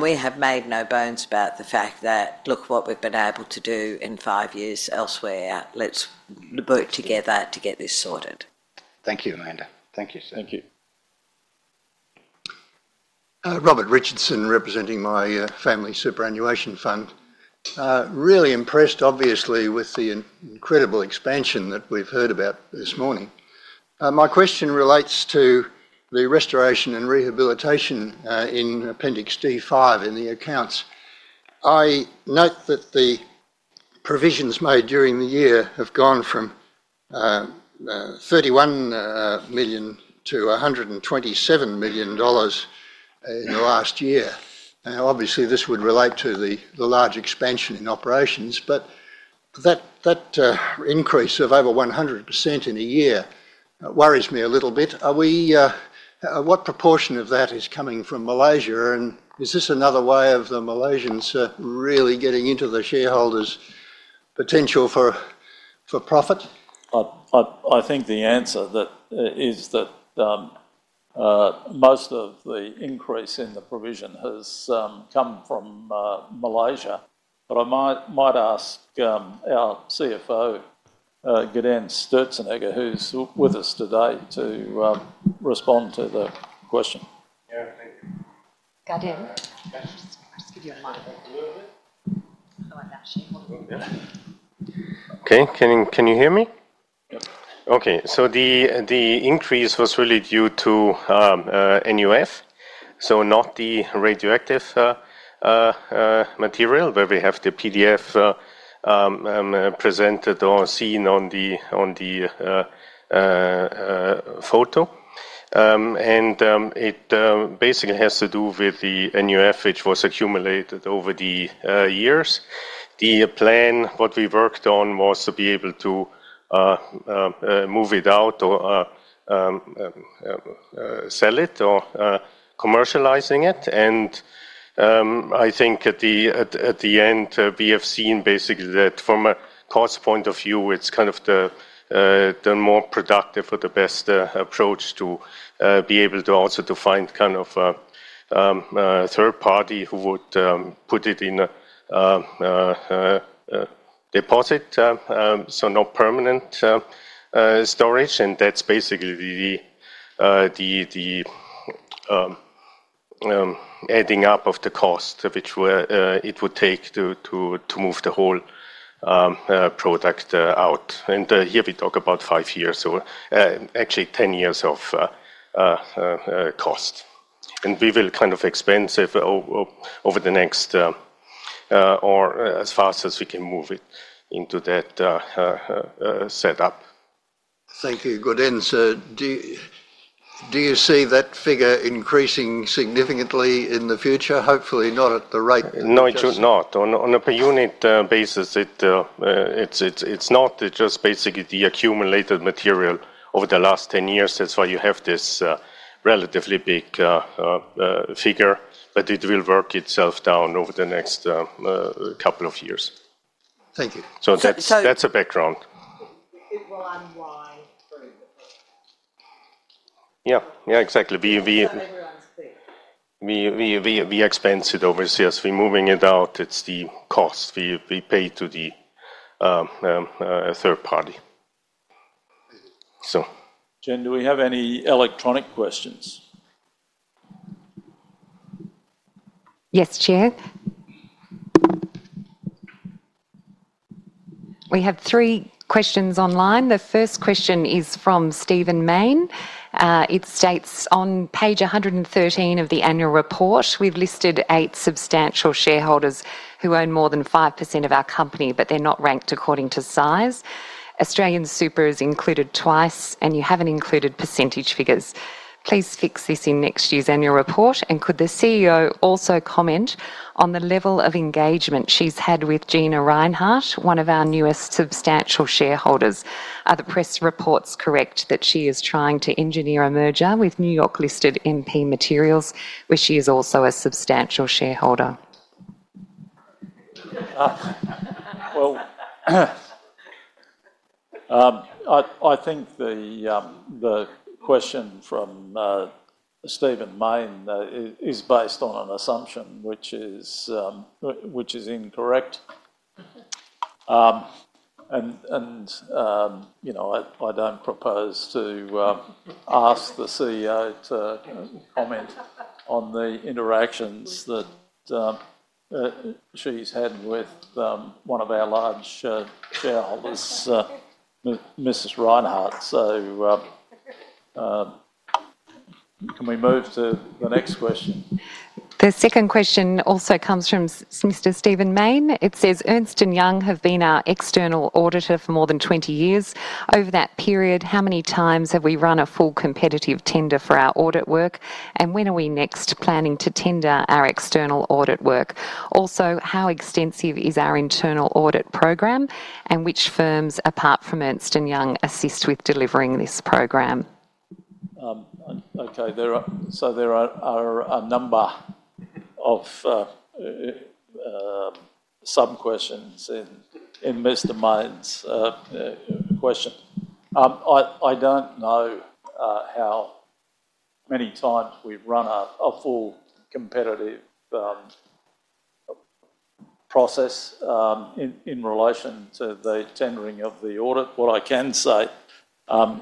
We have made no bones about the fact that, look what we've been able to do in five years elsewhere. Let's work together to get this sorted. Thank you, Amanda. Thank you. Thank you. Robert Richardson, representing my family superannuation fund. Really impressed, obviously, with the incredible expansion that we've heard about this morning. My question relates to the restoration and rehabilitation in Appendix D5 in the accounts. I note that the provisions made during the year have gone from 31 million to 127 million dollars in the last year. Obviously, this would relate to the large expansion in operations, but that increase of over 100% in a year worries me a little bit. What proportion of that is coming from Malaysia, and is this another way of the Malaysians really getting into the shareholders' potential for profit? I think the answer is that most of the increase in the provision has come from Malaysia. But I might ask our CFO, Gaudenz Sturzenegger, who's with us today, to respond to the question. Yeah, thank you. Gaudenz. Just give you a mic. Okay. Can you hear me? Yep. Okay. So the increase was really due to NUF, so not the radioactive material where we have the PDF presented or seen on the photo. It basically has to do with the NUF, which was accumulated over the years. The plan, what we worked on, was to be able to move it out or sell it or commercializing it. And I think at the end, we have seen basically that from a cost point of view, it's kind of the more productive or the best approach to be able to also find kind of a third party who would put it in a deposit, so no permanent storage. And that's basically the adding up of the cost which it would take to move the whole product out. And here we talk about five years, so actually 10 years of cost. And we will kind of expand over the next or as fast as we can move it into that setup. Thank you, Gaudenz. So do you see that figure increasing significantly in the future? Hopefully not at the rate of. No, it should not. On a per-unit basis, it's not. It's just basically the accumulated material over the last 10 years. That's why you have this relatively big figure, but it will work itself down over the next couple of years. Thank you. So that's a background. It will unwind. Yeah, yeah, exactly. Everyone's clear. We expense it over the years. We're moving it out. It's the cost we pay to the third party. So. Jen, do we have any electronic questions? Yes, Chair. We have three questions online. The first question is from Stephen Mayne. It states on page 113 of the annual report, we've listed eight substantial shareholders who own more than 5% of our company, but they're not ranked according to size. AustralianSuper is included twice, and you haven't included percentage figures. Please fix this in next year's annual report. And could the CEO also comment on the level of engagement she's had with Gina Rinehart, one of our newest substantial shareholders? Are the press reports correct that she is trying to engineer a merger with New York-listed MP Materials, where she is also a substantial shareholder? Well, I think the question from Stephen Mayne is based on an assumption, which is incorrect. And I don't propose to ask the CEO to comment on the interactions that she's had with one of our large shareholders, Mrs. Rinehart. So can we move to the next question? The second question also comes from Mr. Stephen Mayne. It says, "Ernst & Young have been our external auditor for more than 20 years. Over that period, how many times have we run a full competitive tender for our audit work, and when are we next planning to tender our external audit work? Also, how extensive is our internal audit program, and which firms, apart from Ernst & Young, assist with delivering this program?" Okay. There are a number of sub-questions in Mr. Mayne's question. I don't know how many times we've run a full competitive process in relation to the tendering of the audit. What I can say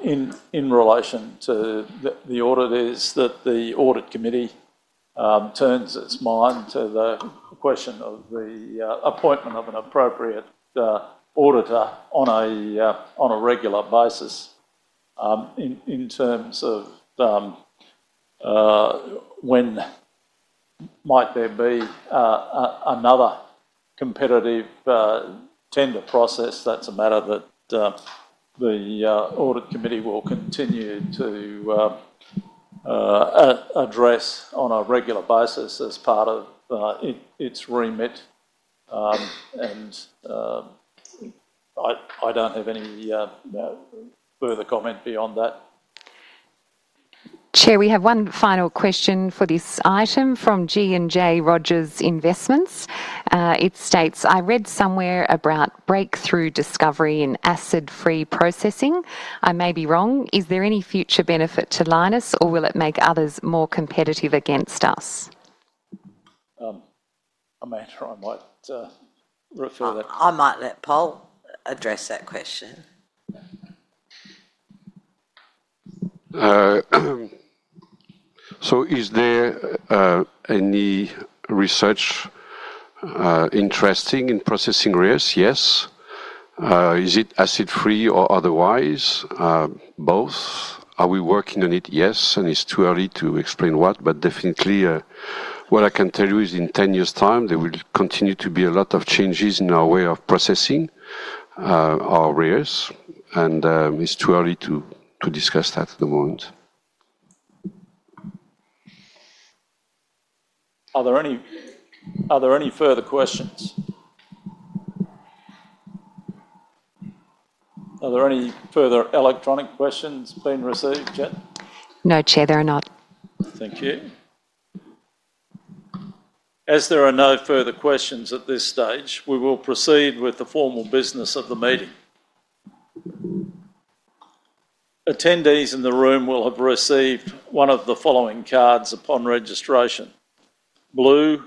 in relation to the audit is that the audit committee turns its mind to the question of the appointment of an appropriate auditor on a regular basis. In terms of when might there be another competitive tender process, that's a matter that the audit committee will continue to address on a regular basis as part of its remit. And I don't have any further comment beyond that. Chair, we have one final question for this item from G&J Rogers Investments. It states, "I read somewhere about breakthrough discovery in acid-free processing. I may be wrong. Is there any future benefit to Lynas, or will it make others more competitive against us?" Amanda, I might refer that. I might let Pol address that question. So is there any research interesting in processing rare earths? Yes. Is it acid-free or otherwise? Both. Are we working on it? Yes. And it's too early to explain what, but definitely what I can tell you is in 10 years' time, there will continue to be a lot of changes in our way of processing our rare earths, and it's too early to discuss that at the moment. Are there any further questions? Are there any further electronic questions being received yet? No, Chair, there are not. Thank you. As there are no further questions at this stage, we will proceed with the formal business of the meeting. Attendees in the room will have received one of the following cards upon registration: blue,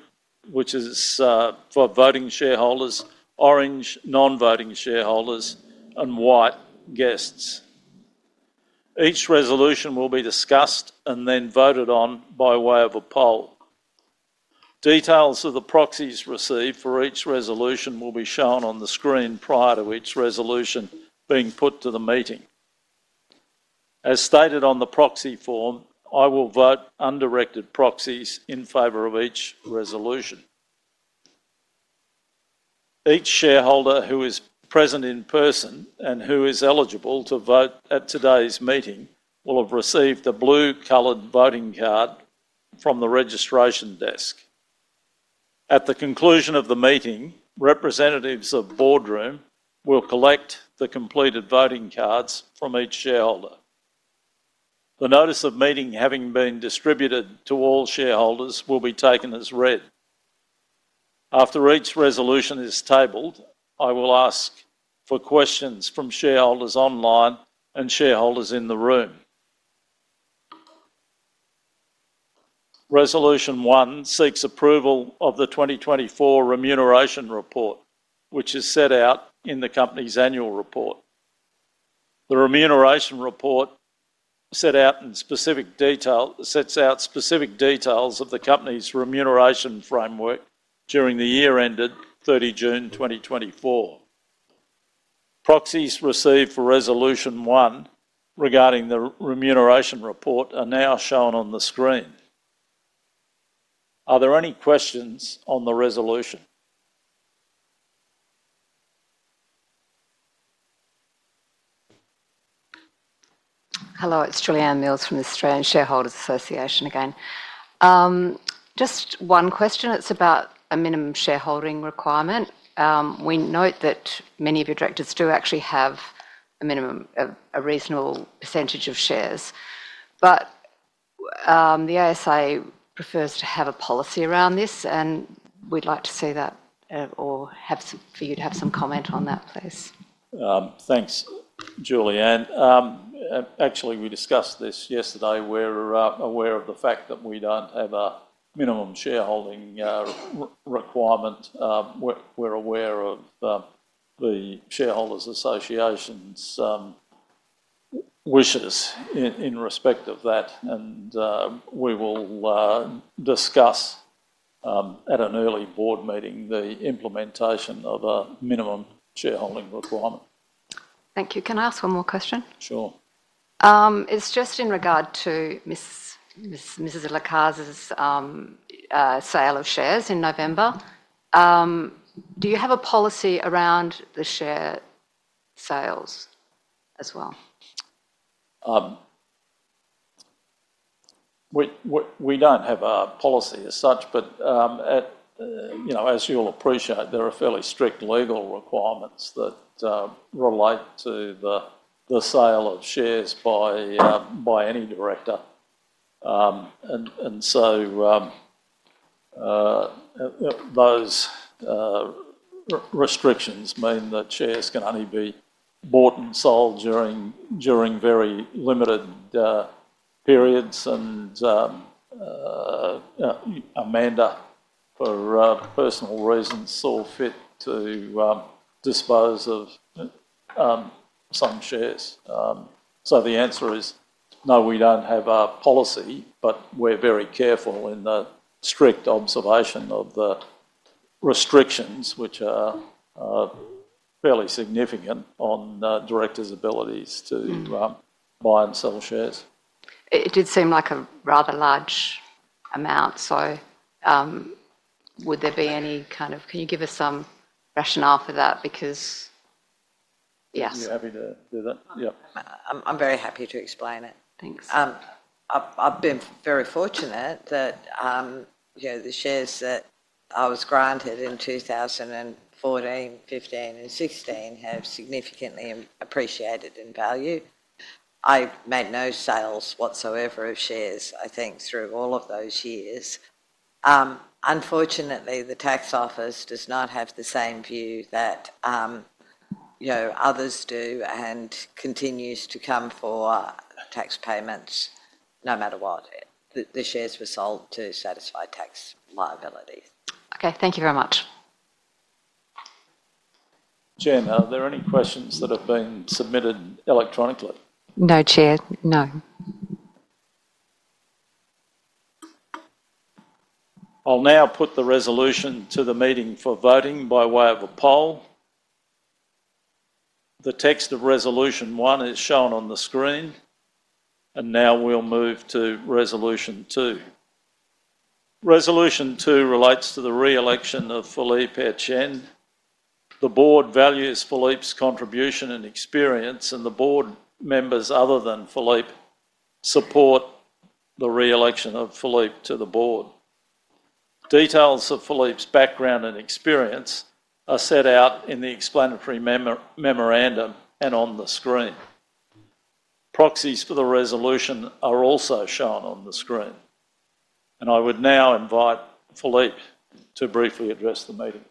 which is for voting shareholders, orange, non-voting shareholders, and white, guests. Each resolution will be discussed and then voted on by way of a poll. Details of the proxies received for each resolution will be shown on the screen prior to each resolution being put to the meeting. As stated on the proxy form, I will vote undirected proxies in favour of each resolution. Each shareholder who is present in person and who is eligible to vote at today's meeting will have received a blue-coloured voting card from the registration desk. At the conclusion of the meeting, representatives of Boardroom will collect the completed voting cards from each shareholder. The notice of meeting having been distributed to all shareholders will be taken as read. After each resolution is tabled, I will ask for questions from shareholders online and shareholders in the room. Resolution 1 seeks approval of the 2024 remuneration report, which is set out in the company's annual report. The remuneration report set out in specific details of the company's remuneration framework during the year ended 30 June 2024. Proxies received for Resolution 1 regarding the remuneration report are now shown on the screen. Are there any questions on the resolution? Hello, it's Julianne Mills from the Australian Shareholders Association again. Just one question. It's about a minimum shareholding requirement. We note that many of your directors do actually have a reasonable percentage of shares. But the ASA prefers to have a policy around this, and we'd like to see that or have you have some comment on that, please. Thanks, Julianne. Actually, we discussed this yesterday. We're aware of the fact that we don't have a minimum shareholding requirement. We're aware of the Shareholders Association's wishes in respect of that, and we will discuss at an early board meeting the implementation of a minimum shareholding requirement. Thank you. Can I ask one more question? Sure. It's just in regard to Mrs. Lacaze's sale of shares in November. Do you have a policy around the share sales as well? We don't have a policy as such, but as you'll appreciate, there are fairly strict legal requirements that relate to the sale of shares by any director. And so those restrictions mean that shares can only be bought and sold during very limited periods, and Amanda, for personal reasons, saw fit to dispose of some shares. The answer is no, we don't have a policy, but we're very careful in the strict observation of the restrictions, which are fairly significant on directors' abilities to buy and sell shares. It did seem like a rather large amount, so would there be any kind of can you give us some rationale for that? Because yes. Are you happy to do that? Yeah. I'm very happy to explain it. Thanks. I've been very fortunate that the shares that I was granted in 2014, 2015, and 2016 have significantly appreciated in value. I made no sales whatsoever of shares, I think, through all of those years. Unfortunately, the tax office does not have the same view that others do and continues to come for tax payments no matter what. The shares were sold to satisfy tax liabilities. Okay. Thank you very much. Jen, are there any questions that have been submitted electronically? No, Chair. No. I'll now put the resolution to the meeting for voting by way of a poll. The text of Resolution 1 is shown on the screen, and now we'll move to Resolution 2. Resolution 2 relates to the re-election of Philippe Etienne. The board values Philippe's contribution and experience, and the board members other than Philippe support the re-election of Philippe to the board. Details of Philippe's background and experience are set out in the explanatory memorandum and on the screen. Proxies for the resolution are also shown on the screen, and I would now invite Philippe to briefly address the meeting.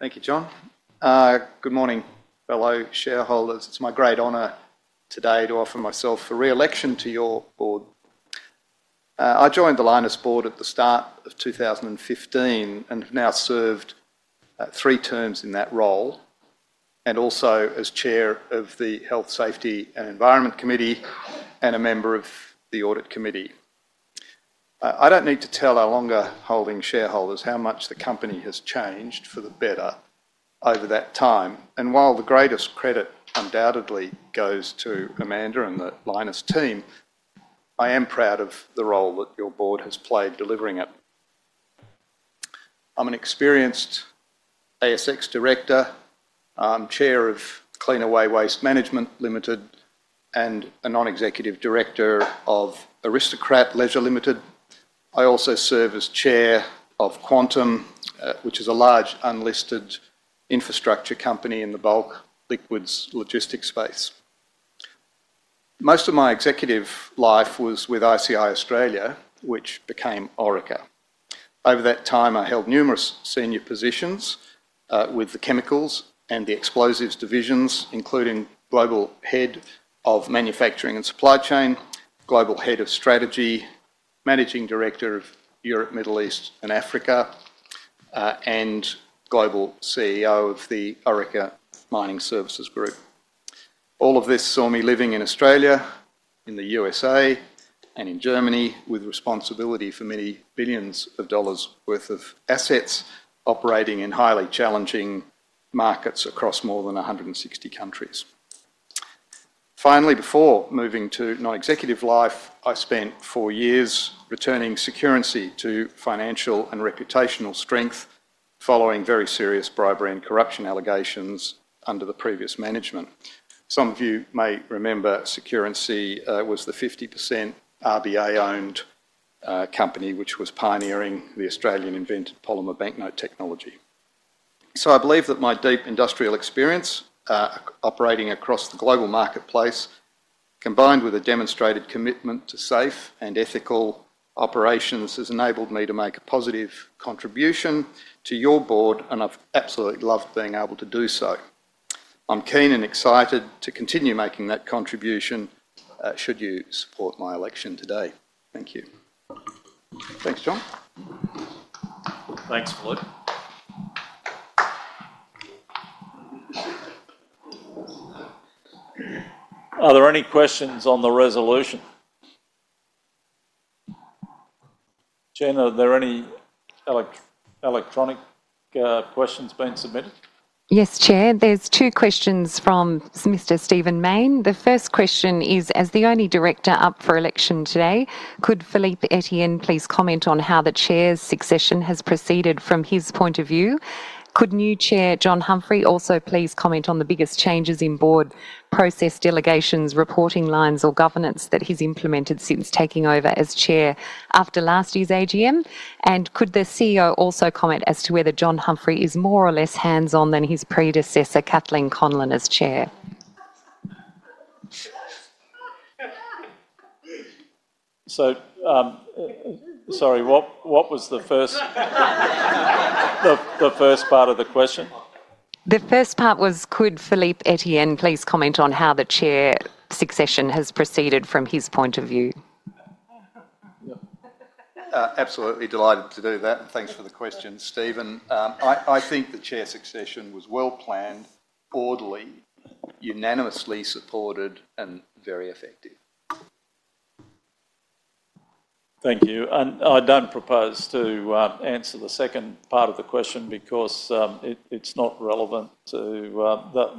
Thank you, John. Good morning, fellow shareholders. It's my great honor today to offer myself for re-election to your board. I joined the Lynas board at the start of 2015 and have now served three terms in that role and also as chair of the Health, Safety, and Environment Committee and a member of the Audit Committee. I don't need to tell our longer-holding shareholders how much the company has changed for the better over that time, and while the greatest credit undoubtedly goes to Amanda and the Lynas team, I am proud of the role that your board has played delivering it. I'm an experienced ASX director, chair of Cleanaway Waste Management Limited, and a non-executive director of Aristocrat Leisure Limited. I also serve as chair of Quantem, which is a large unlisted infrastructure company in the bulk liquids logistics space. Most of my executive life was with ICI Australia, which became Orica. Over that time, I held numerous senior positions with the chemicals and the explosives divisions, including global head of manufacturing and supply chain, global head of strategy, managing director of Europe, Middle East, and Africa, and global CEO of the Orica Mining Services Group. All of this saw me living in Australia, in the USA, and in Germany with responsibility for many billions of dollars' worth of assets operating in highly challenging markets across more than 160 countries. Finally, before moving to non-executive life, I spent four years returning Securency to financial and reputational strength following very serious bribery and corruption allegations under the previous management. Some of you may remember Securency was the 50% RBA-owned company which was pioneering the Australian invented polymer banknote technology. I believe that my deep industrial experience operating across the global marketplace, combined with a demonstrated commitment to safe and ethical operations, has enabled me to make a positive contribution to your board, and I've absolutely loved being able to do so. I'm keen and excited to continue making that contribution should you support my election today. Thank you. Thanks, John. Thanks, Philippe. Are there any questions on the resolution? Jen, are there any electronic questions being submitted? Yes, Chair. There's two questions from Mr. Stephen Mayne. The first question is, as the only director up for election today, could Philippe Etienne please comment on how the chair's succession has proceeded from his point of view? Could new chair John Humphrey also please comment on the biggest changes in board process delegations, reporting lines, or governance that he's implemented since taking over as chair after last year's AGM? And could the CEO also comment as to whether John Humphrey is more or less hands-on than his predecessor, Kathleen Conlon, as chair? Sorry, what was the first part of the question? The first part was, could Philippe Etienne please comment on how the chair succession has proceeded from his point of view? Absolutely delighted to do that, and thanks for the question, Stephen. I think the chair succession was well planned, orderly, unanimously supported, and very effective. Thank you. And I don't propose to answer the second part of the question because it's not relevant to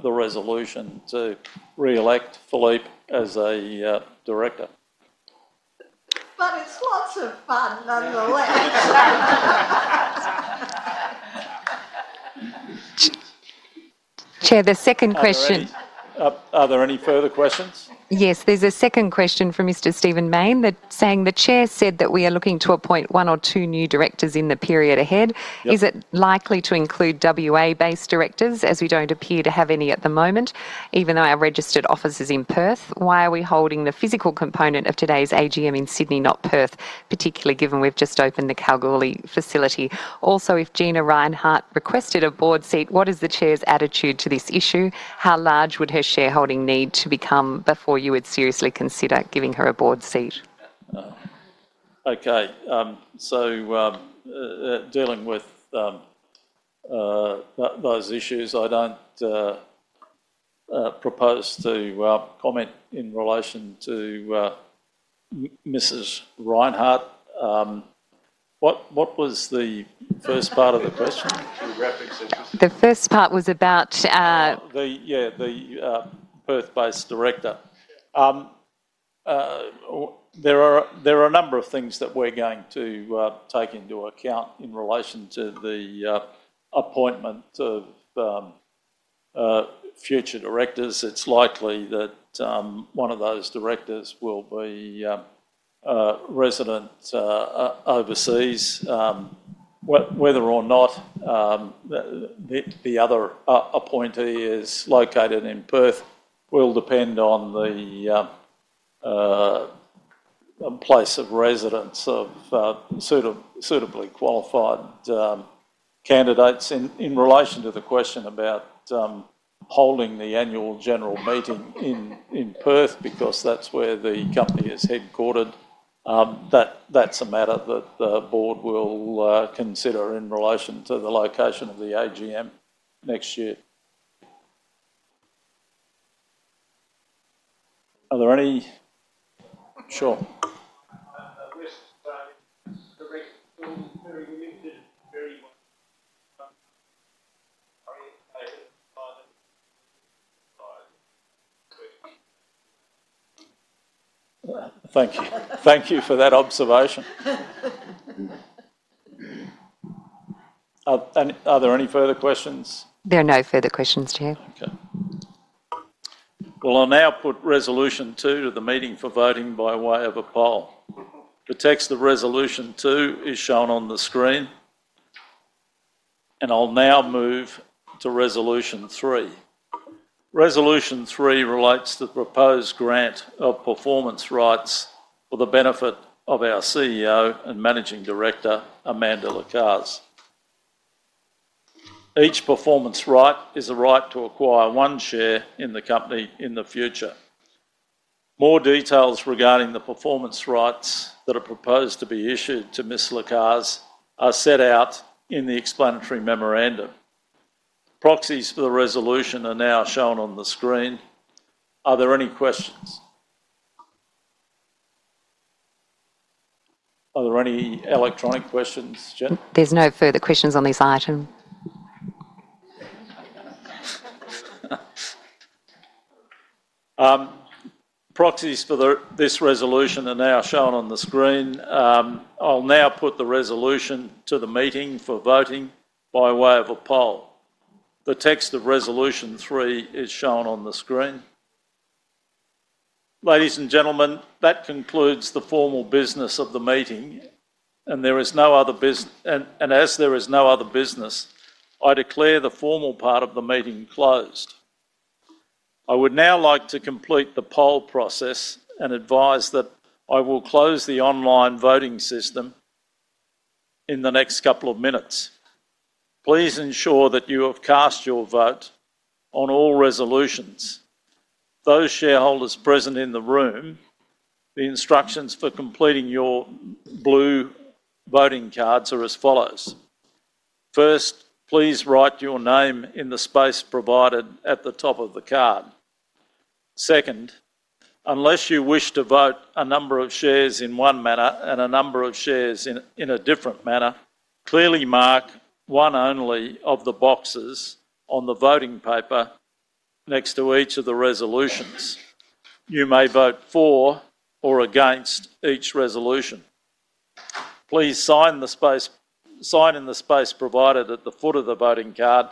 the resolution to re-elect Philippe as a director. But it's lots of fun, nonetheless. Chair, the second question. Are there any further questions? Yes, there's a second question from Mr. Stephen Mayne saying, "The chair said that we are looking to appoint one or two new directors in the period ahead. Is it likely to include WA-based directors, as we don't appear to have any at the moment, even though our registered office is in Perth? Why are we holding the physical component of today's AGM in Sydney, not Perth, particularly given we've just opened the Kalgoorlie facility? Also, if Gina Rinehart requested a board seat, what is the chair's attitude to this issue? How large would her shareholding need to become before you would seriously consider giving her a board seat? Okay. So dealing with those issues, I don't propose to comment in relation to Mrs. Rinehart. What was the first part of the question? The first part was about— Yeah, the Perth-based director. There are a number of things that we're going to take into account in relation to the appointment of future directors. It's likely that one of those directors will be resident overseas. Whether or not the other appointee is located in Perth will depend on the place of residence of suitably qualified candidates. In relation to the question about holding the annual general meeting in Perth, because that's where the company is headquartered, that's a matter that the board will consider in relation to the location of the AGM next year. Are there any— Sure. Thank you. Thank you for that observation. Are there any further questions? There are no further questions, Chair. Okay. Well, I'll now put Resolution 2 to the meeting for voting by way of a poll. The text of Resolution 2 is shown on the screen, and I'll now move to Resolution 3. Resolution 3 relates to the proposed grant of performance rights for the benefit of our CEO and Managing Director, Amanda Lacaze. Each performance right is a right to acquire one share in the company in the future. More details regarding the performance rights that are proposed to be issued to Ms. Lacaze are set out in the explanatory memorandum. Proxies for the resolution are now shown on the screen. Are there any questions? Are there any electronic questions, Jen? There's no further questions on this item. Proxies for this resolution are now shown on the screen. I'll now put the resolution to the meeting for voting by way of a poll. The text of Resolution 3 is shown on the screen. Ladies and gentlemen, that concludes the formal business of the meeting, and there is no other business, and as there is no other business, I declare the formal part of the meeting closed. I would now like to complete the poll process and advise that I will close the online voting system in the next couple of minutes. Please ensure that you have cast your vote on all resolutions. Those shareholders present in the room, the instructions for completing your blue voting cards are as follows. First, please write your name in the space provided at the top of the card. Second, unless you wish to vote a number of shares in one manner and a number of shares in a different manner, clearly mark one only of the boxes on the voting paper next to each of the resolutions. You may vote for or against each resolution. Please sign in the space provided at the foot of the voting card.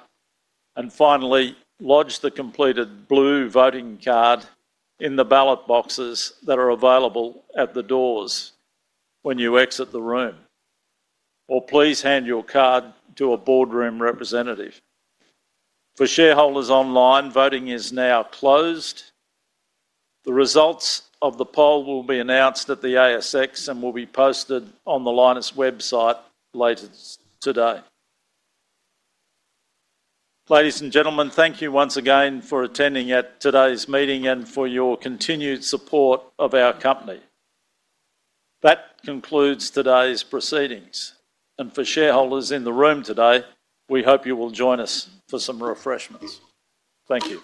And finally, lodge the completed blue voting card in the ballot boxes that are available at the doors when you exit the room. Or please hand your card to a Boardroom representative. For shareholders online, voting is now closed. The results of the poll will be announced at the ASX and will be posted on the Lynas website later today. Ladies and gentlemen, thank you once again for attending at today's meeting and for your continued support of our company. That concludes today's proceedings. And for shareholders in the room today, we hope you will join us for some refreshments. Thank you.